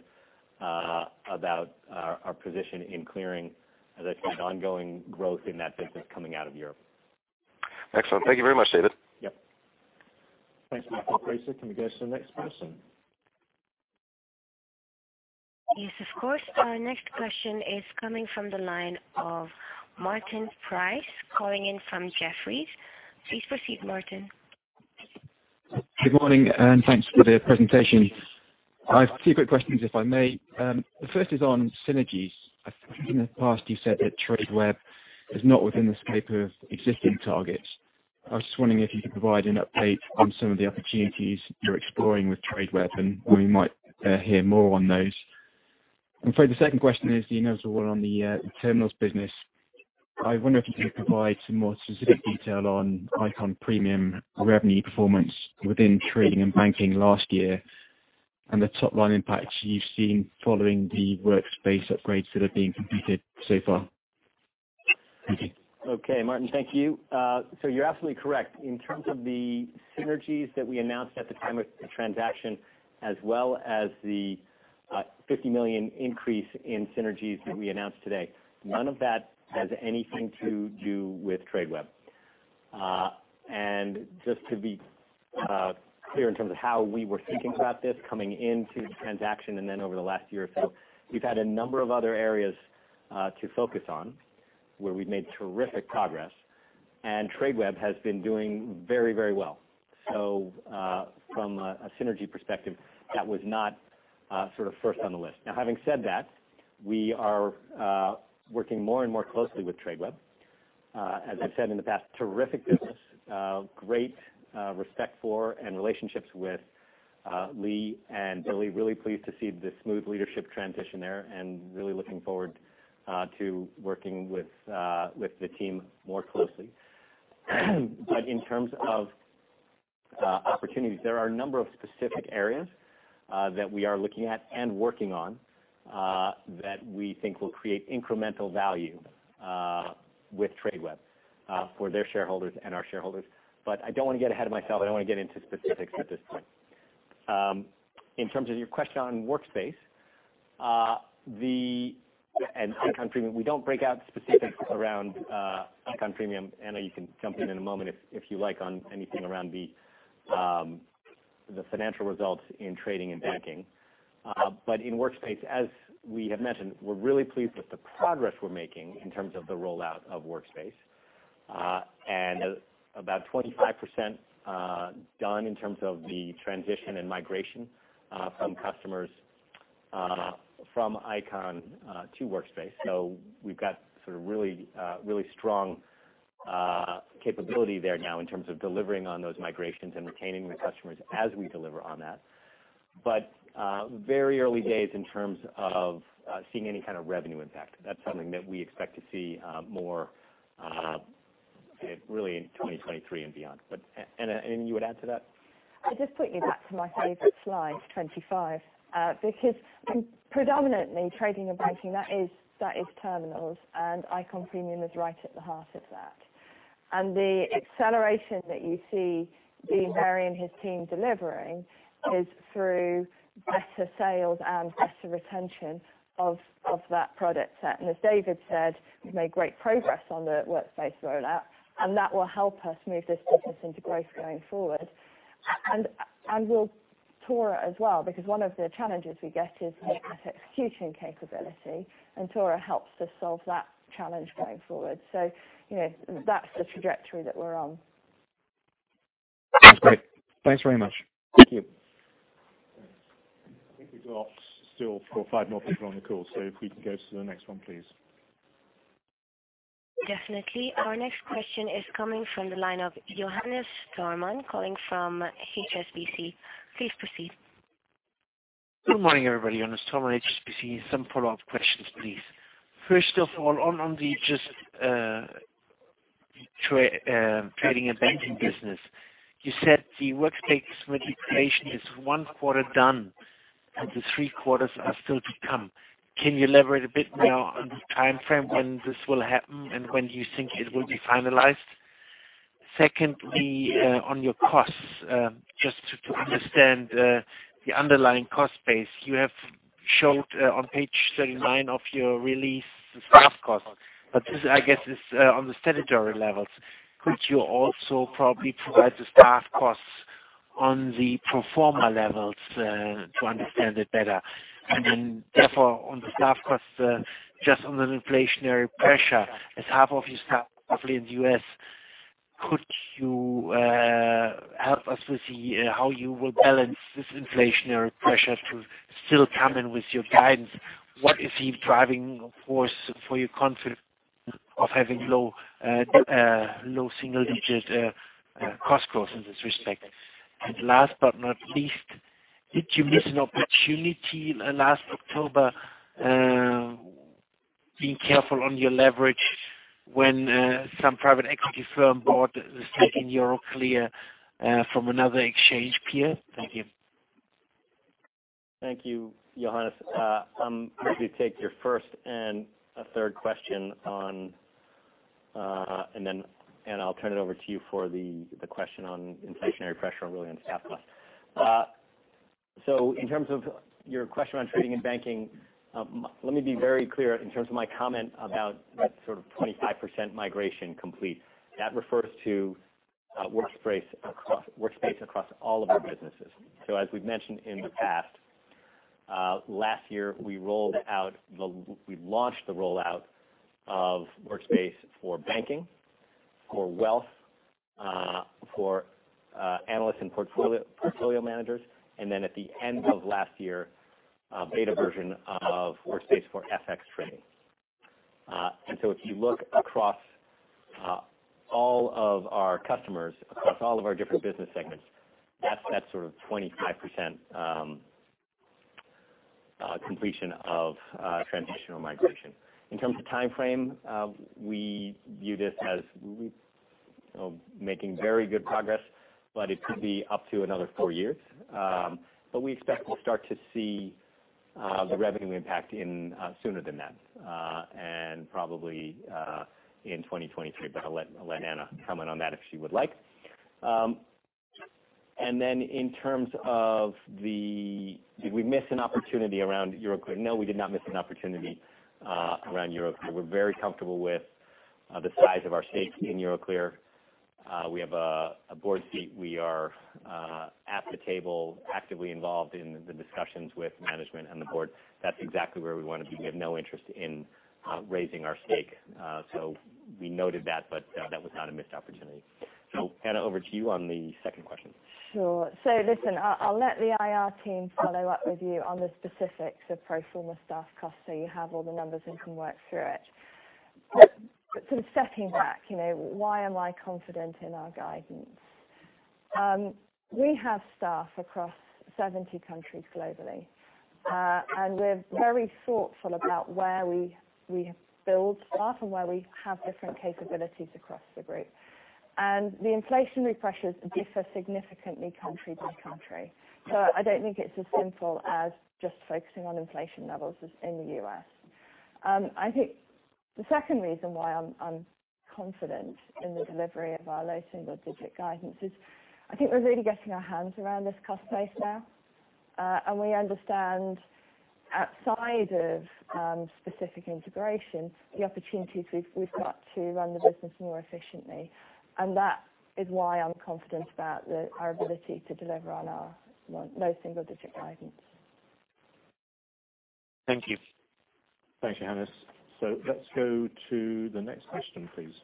about our position in clearing, as I said, ongoing growth in that business coming out of Europe. Excellent. Thank you very much, David. Yep. Thanks, Michael Werner. Can we go to the next person? Yes, of course. Our next question is coming from the line of Martin Price, calling in from Jefferies. Please proceed, Martin. Good morning, and thanks for the presentation. I've two quick questions, if I may. The first is on synergies. I think in the past you said that Tradeweb is not within the scope of existing targets. I was just wondering if you could provide an update on some of the opportunities you're exploring with Tradeweb, and when we might hear more on those. I'm afraid the second question is, you know, all on the terminals business. I wonder if you could provide some more specific detail on Eikon Premium revenue performance within Trading and Banking last year, and the top-line impacts you've seen following the Workspace upgrades that have been completed so far. Thank you. Okay, Martin. Thank you. So you're absolutely correct. In terms of the synergies that we announced at the time of the transaction, as well as the 50 million increase in synergies that we announced today, none of that has anything to do with Tradeweb. Just to be clear in terms of how we were thinking about this coming into the transaction and then over the last year or so, we've had a number of other areas to focus on where we've made terrific progress, and Tradeweb has been doing very, very well. From a synergy perspective, that was not sort of first on the list. Now, having said that, we are working more and more closely with Tradeweb. As I've said in the past, terrific business, great respect for and relationships with Lee and Billy. Really pleased to see the smooth leadership transition there and really looking forward to working with the team more closely. In terms of opportunities, there are a number of specific areas that we are looking at and working on that we think will create incremental value with Tradeweb for their shareholders and our shareholders. I don't wanna get ahead of myself. I don't wanna get into specifics at this point. In terms of your question on Workspace and Eikon premium, we don't break out specifics around Eikon premium. Anna, you can jump in in a moment if you like, on anything around the financial results in Trading and Banking. in Workspace, as we have mentioned, we're really pleased with the progress we're making in terms of the rollout of Workspace, and about 25%, done in terms of the transition and migration, from customers, from Eikon, to Workspace. So we've got sort of really strong capability there now in terms of delivering on those migrations and retaining the customers as we deliver on that. Very early days in terms of seeing any kind of revenue impact. That's something that we expect to see, more, really in 2023 and beyond. Anna, anything you would add to that? I just put you back to my favorite slide, 25, because predominantly Trading and Banking, that is terminals, and Eikon Premium is right at the heart of that. The acceleration that you see Dean Berry and his team delivering is through better sales and better retention of that product set. As David said, we've made great progress on the Workspace rollout, and that will help us move this business into growth going forward. Will TORA as well, because one of the challenges we get is that execution capability, and TORA helps to solve that challenge going forward. You know, that's the trajectory that we're on. That's great. Thanks very much. Thank you. I think we've got still four or five more people on the call, so if we can go to the next one, please. Definitely. Our next question is coming from the line of Johannes Thormann, calling from HSBC. Please proceed. Good morning, everybody. Johannes Thormann, HSBC. Some follow-up questions, please. First of all, on the trading and banking business, you said the Workspace migration is one quarter done, and the three quarters are still to come. Can you elaborate a bit now on the timeframe when this will happen and when you think it will be finalized? Secondly, on your costs, just to understand the underlying cost base. You have showed on page 39 of your release the staff costs, but this, I guess, is on the statutory levels. Could you also probably provide the staff costs on the pro forma levels to understand it better? Therefore, on the staff costs, just on an inflationary pressure, as half of your staff are probably in the U.S., could you help us with the how you will balance this inflationary pressure to still come in with your guidance? What is the driving force for your confidence of having low single-digit cost growth in this respect? Last but not least, did you miss an opportunity last October, being careful on your leverage when some private equity firm bought the stake in Euroclear from another exchange peer? Thank you. Thank you, Johannes. Let me take your first and third question, and then I'll turn it over to you for the question on inflationary pressure and really on staff costs. In terms of your question on Trading and Banking, let me be very clear in terms of my comment about that sort of 25% migration complete. That refers to Workspace across all of our businesses. As we've mentioned in the past, last year, we launched the rollout of Workspace for banking, for wealth, for analysts and portfolio managers, and then at the end of last year, a beta version of Workspace for FX trading. If you look across all of our customers, across all of our different business segments, that's that sort of 25% completion of transitional migration. In terms of timeframe, we view this as making very good progress, but it could be up to another four years. We expect we'll start to see the revenue impact in sooner than that, and probably in 2023. I'll let Anna comment on that if she would like. Did we miss an opportunity around Euroclear? No, we did not miss an opportunity around Euroclear. We're very comfortable with the size of our stake in Euroclear. We have a board seat. We are at the table, actively involved in the discussions with management and the board. That's exactly where we want to be. We have no interest in raising our stake. We noted that, but that was not a missed opportunity. Anna, over to you on the second question. Sure. Listen, I'll let the IR team follow up with you on the specifics of pro forma staff costs, so you have all the numbers and can work through it. Sort of stepping back, you know, why am I confident in our guidance? We have staff across 70 countries globally, and we're very thoughtful about where we build staff and where we have different capabilities across the group. The inflationary pressures differ significantly country by country. I don't think it's as simple as just focusing on inflation levels as in the U.S. I think the second reason why I'm confident in the delivery of our low single digit guidance is I think we're really getting our hands around this cost base now. We understand outside of specific integration, the opportunities we've got to run the business more efficiently. That is why I'm confident about our ability to deliver on our low single digit guidance. Thank you. Thanks, Johannes. Let's go to the next question, please.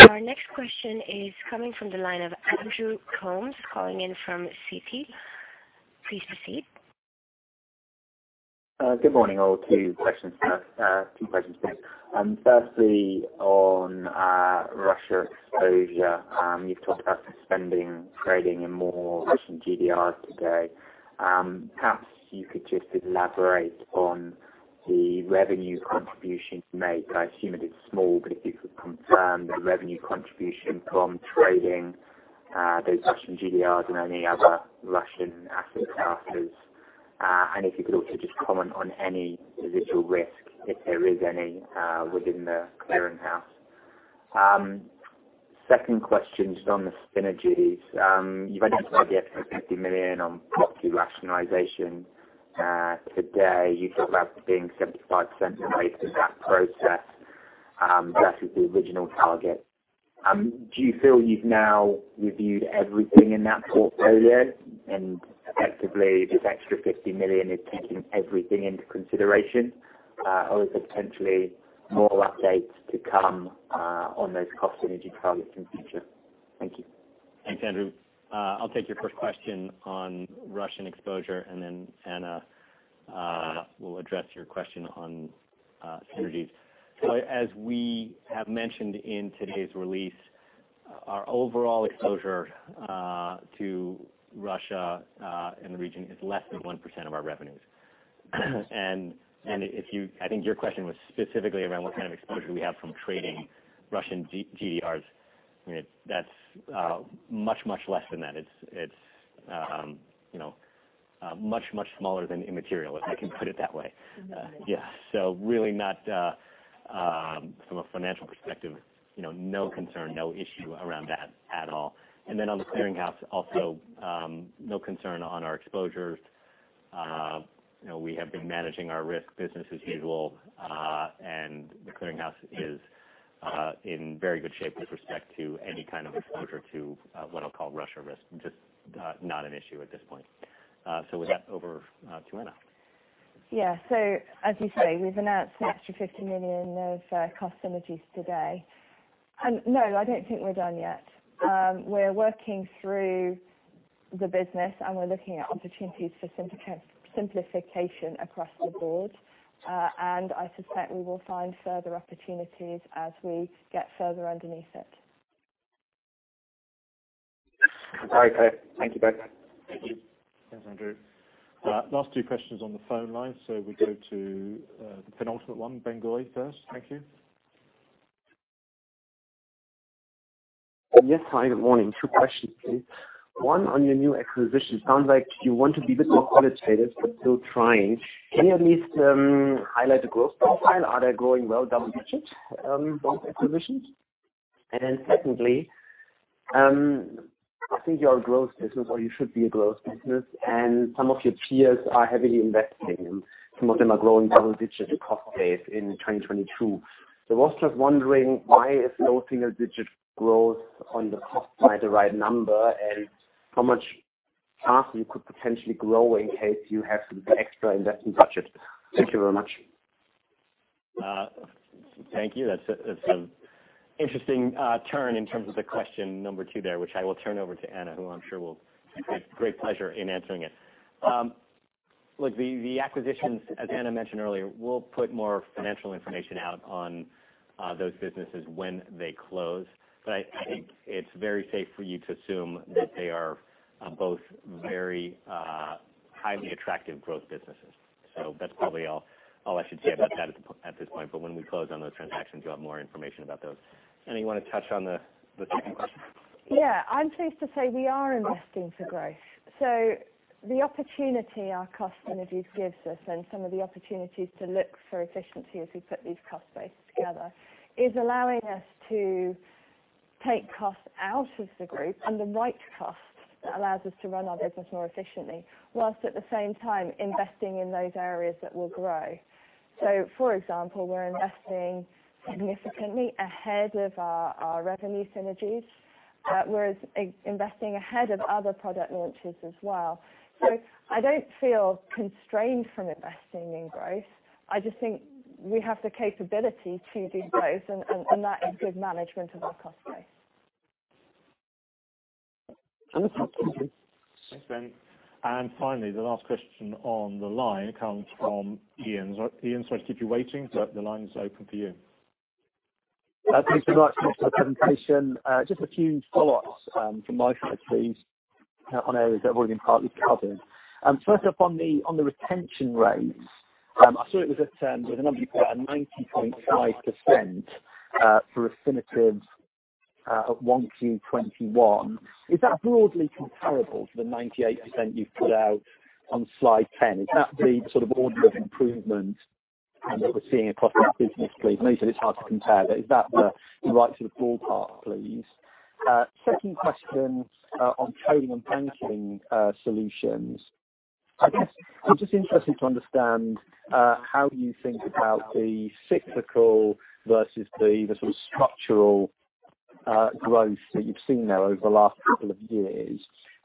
Our next question is coming from the line of Andrew Coombs calling in from Citi. Please proceed. Good morning, all. Two questions, please. Firstly on Russia exposure. You've talked about suspending trading in more Russian GDRs today. Perhaps you could just elaborate on the revenue contribution you make. I assume it is small, but if you could confirm the revenue contribution from trading those Russian GDRs and any other Russian asset classes. And if you could also just comment on any residual risk, if there is any, within the clearinghouse. Second question, just on the synergies. You've identified the extra 50 million on property rationalization. Today you talked about being 75% of the way through that process, versus the original target. Do you feel you've now reviewed everything in that portfolio and effectively this extra 50 million is taking everything into consideration? Is there potentially more updates to come on those cost synergy targets in the future? Thank you. Thanks, Andrew. I'll take your first question on Russian exposure, and then Anna will address your question on synergies. As we have mentioned in today's release, our overall exposure to Russia and the region is less than 1% of our revenues. I think your question was specifically around what kind of exposure we have from trading Russian GDRs. I mean, that's much less than that. It's you know, much smaller than immaterial, if I can put it that way. Immaterial. Yeah. Really not from a financial perspective, you know, no concern, no issue around that at all. On the clearinghouse also, no concern on our exposures. You know, we have been managing our risk business as usual. The clearinghouse is in very good shape with respect to any kind of exposure to what I'll call Russia risk. Just not an issue at this point. With that, over to Anna. Yeah. As you say, we've announced an extra 50 million of cost synergies today. No, I don't think we're done yet. We're working through the business, and we're looking at opportunities for simplification across the board. I suspect we will find further opportunities as we get further underneath it. Very clear. Thank you both. Thank you. Thanks, Andrew. Last two questions on the phone line. We go to the penultimate one, Benjamin Goy first. Thank you. Yes. Hi, good morning. two questions, please. One on your new acquisition. Sounds like you want to be a bit more qualitative but still trying. Can you at least highlight the growth profile? Are they growing well double digits, those acquisitions? Then secondly, I think you're a growth business or you should be a growth business and some of your peers are heavily investing and some of them are growing double digits in cost base in 2022. I was just wondering why is low single-digit growth on the cost side the right number and how much faster you could potentially grow in case you have some extra investment budget? Thank you very much. Thank you. That's an interesting turn in terms of the question number two there, which I will turn over to Anna, who I'm sure will take great pleasure in answering it. Look, the acquisitions, as Anna mentioned earlier, we'll put more financial information out on those businesses when they close. I think it's very safe for you to assume that they are both very highly attractive growth businesses. That's probably all I should say about that at this point. When we close on those transactions, you'll have more information about those. Anna, you wanna touch on the second question? Yeah. I'm pleased to say we are investing for growth. The opportunity our cost synergies gives us and some of the opportunities to look for efficiency as we put these cost bases together, is allowing us to take costs out of the group and the right costs that allows us to run our business more efficiently. Whilst at the same time investing in those areas that will grow. For example, we're investing significantly ahead of our revenue synergies. We're investing ahead of other product launches as well. I don't feel constrained from investing in growth. I just think we have the capability to do both and that is good management of our cost base. Wonderful. Thank you. Thanks, Ben. Finally, the last question on the line comes from Ian. Ian, sorry to keep you waiting, but the line is open for you. Thanks very much for the presentation. Just a few follow-ups from my side please on areas that have already been partly covered. First up on the retention rates, I saw it was at with a number you put at 90.5% for Refinitiv at 1Q 2021. Is that broadly comparable to the 98% you've put out on slide 10? Is that the sort of order of improvement that we're seeing across the business, please? I know you said it's hard to compare, but is that the right sort of ballpark, please? Second question on Trading and Banking solutions. I guess I'm just interested to understand how you think about the cyclical versus the sort of structural growth that you've seen now over the last couple of years.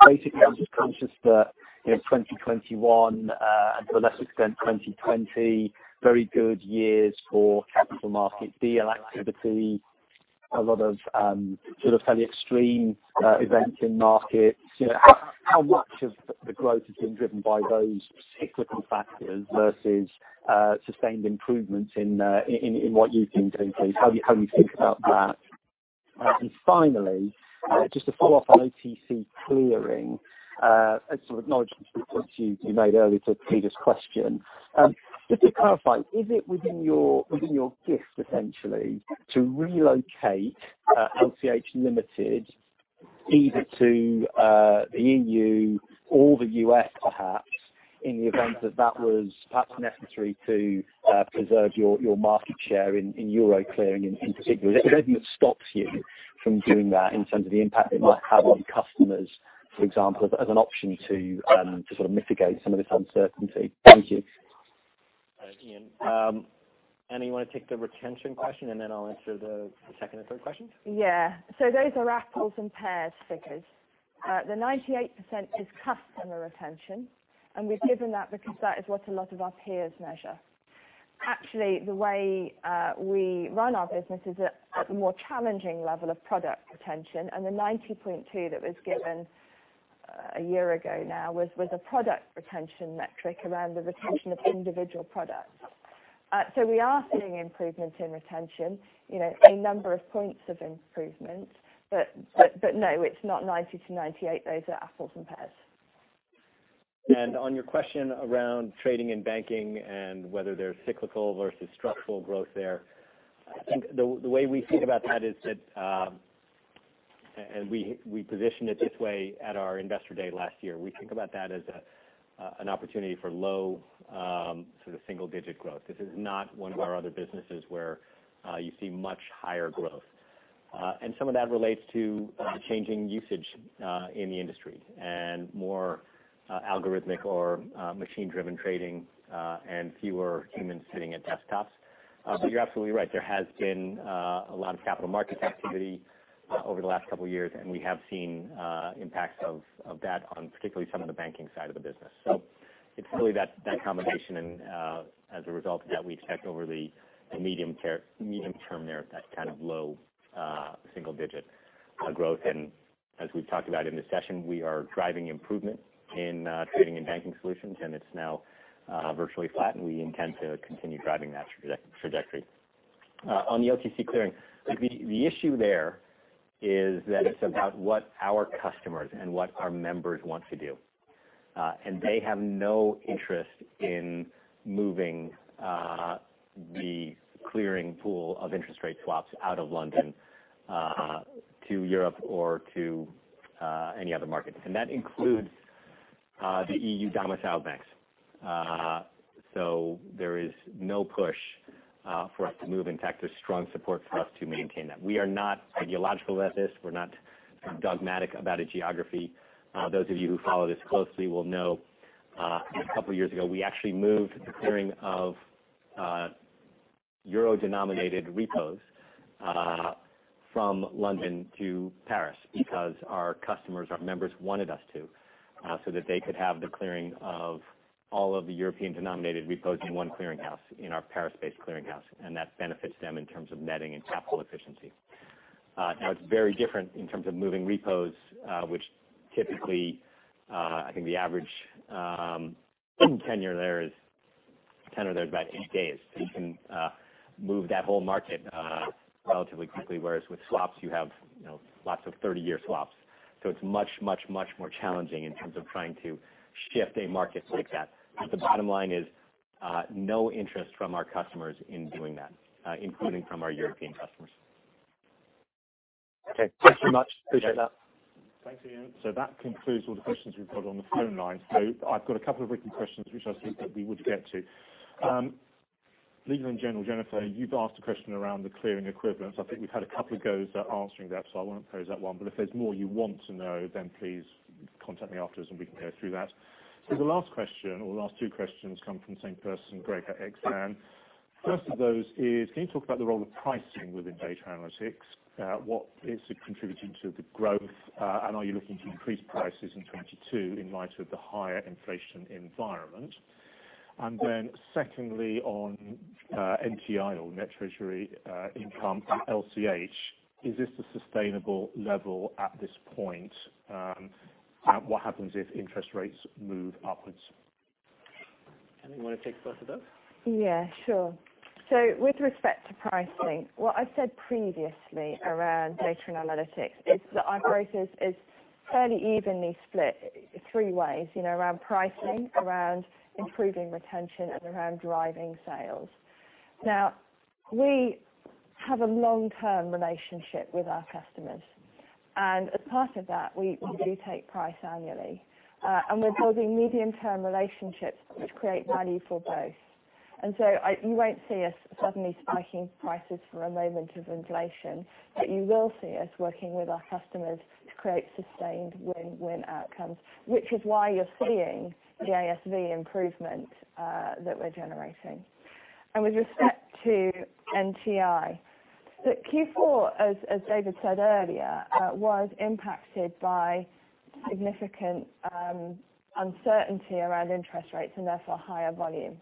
Basically, I'm just conscious that, you know, 2021 and to a lesser extent, 2020 very good years for capital market deal activity. A lot of sort of fairly extreme events in markets. You know, how much of the growth has been driven by those cyclical factors versus sustained improvements in what you think too, please. How do you think about that? Finally, just to follow up on OTC clearing and sort of acknowledging the point you made earlier to Philip Middleton's question. Just to clarify, is it within your gift essentially to relocate LCH Limited either to the EU or the U.S. perhaps in the event that was perhaps necessary to preserve your market share in euro clearing in particular. Is there anything that stops you from doing that in terms of the impact it might have on your customers, for example, as an option to sort of mitigate some of this uncertainty? Thank you. Thanks, Ian. Anna, you wanna take the retention question, and then I'll answer the second and third questions. Yeah. Those are apples and pears figures. The 98% is customer retention, and we've given that because that is what a lot of our peers measure. Actually, the way we run our business is at the more challenging level of product retention. The 90.2 that was given a year ago now was a product retention metric around the retention of individual products. We are seeing improvements in retention, you know, a number of points of improvement. But no, it's not 90%-98%. Those are apples and pears. On your question around Trading and Banking and whether there's cyclical versus structural growth there, I think the way we think about that is that. We positioned it this way at our investor day last year. We think about that as an opportunity for low sort of single-digit growth. This is not one of our other businesses where you see much higher growth. Some of that relates to changing usage in the industry and more algorithmic or machine-driven trading and fewer humans sitting at desktops. You're absolutely right. There has been a lot of capital market activity over the last couple of years, and we have seen impacts of that on particularly some of the banking side of the business. It's really that combination. As a result of that, we expect over the medium term there, that kind of low single-digit growth. As we've talked about in the session, we are driving improvement in trading and banking solutions, and it's now virtually flat, and we intend to continue driving that trajectory. On the OTC clearing, the issue there is that it's about what our customers and what our members want to do. They have no interest in moving the clearing pool of interest rate swaps out of London to Europe or to any other markets, and that includes the EU domicile banks. There is no push for us to move. In fact, there's strong support for us to maintain that. We are not ideological about this. We're not dogmatic about a geography. Those of you who follow this closely will know, a couple of years ago, we actually moved the clearing of euro-denominated repos from London to Paris because our customers, our members, wanted us to so that they could have the clearing of all of the European-denominated repos in one clearinghouse, in our Paris-based clearinghouse. That benefits them in terms of netting and capital efficiency. Now it's very different in terms of moving repos, which typically, I think the average tenor there is about eight days. You can move that whole market relatively quickly. Whereas with swaps, you have, you know, lots of 30-year swaps. It's much more challenging in terms of trying to shift a market like that. The bottom line is, no interest from our customers in doing that, including from our European customers. Okay. Thanks so much. Appreciate that. Thanks, Ian. That concludes all the questions we've got on the phone lines. I've got a couple of written questions, which I think that we would get to. Legal & General, Jennifer, you've asked a question around the clearing equivalents. I think we've had a couple of goes at answering that, so I won't pose that one. If there's more you want to know, then please contact me afterwards and we can go through that. The last question or the last two questions come from the same person, Greg at Exane. First of those is, can you talk about the role of pricing within data analytics? What is contributing to the growth, and are you looking to increase prices in 2022 in light of the higher inflation environment? Secondly, on NTI or Net Treasury Income for LCH, is this a sustainable level at this point? What happens if interest rates move upwards? Anna, you wanna take both of those? Yeah, sure. With respect to pricing, what I said previously around Data and Analytics is that our growth is fairly evenly split three ways, you know, around pricing, around improving retention, and around driving sales. Now, we have a long-term relationship with our customers, and as part of that, we do take price annually. We're building medium-term relationships which create value for both. You won't see us suddenly spiking prices for a moment of inflation, but you will see us working with our customers to create sustained win-win outcomes, which is why you're seeing the ASV improvement that we're generating. With respect to NTI, look, Q4, as David said earlier, was impacted by significant uncertainty around interest rates and therefore higher volume.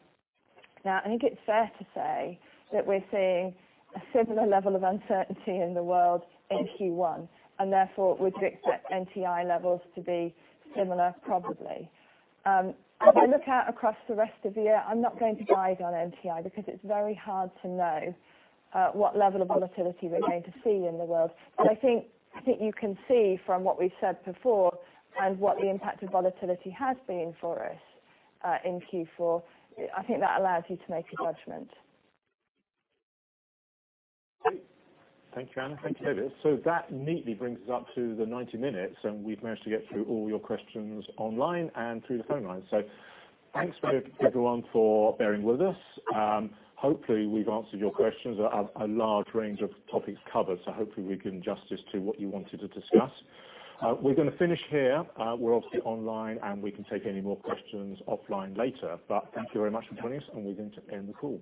Now, I think it's fair to say that we're seeing a similar level of uncertainty in the world in Q1, and therefore would you expect NTI levels to be similar? Probably. As I look out across the rest of the year, I'm not going to guide on NTI because it's very hard to know what level of volatility we're going to see in the world. I think you can see from what we've said before and what the impact of volatility has been for us in Q4, I think that allows you to make a judgment. Great. Thank you, Anna. Thank you, David. That neatly brings us up to the 90 minutes, and we've managed to get through all your questions online and through the phone lines. Thanks to everyone for bearing with us. Hopefully we've answered your questions. A large range of topics covered, so hopefully we've given justice to what you wanted to discuss. We're gonna finish here. We're obviously online, and we can take any more questions offline later. Thank you very much for joining us, and we're going to end the call.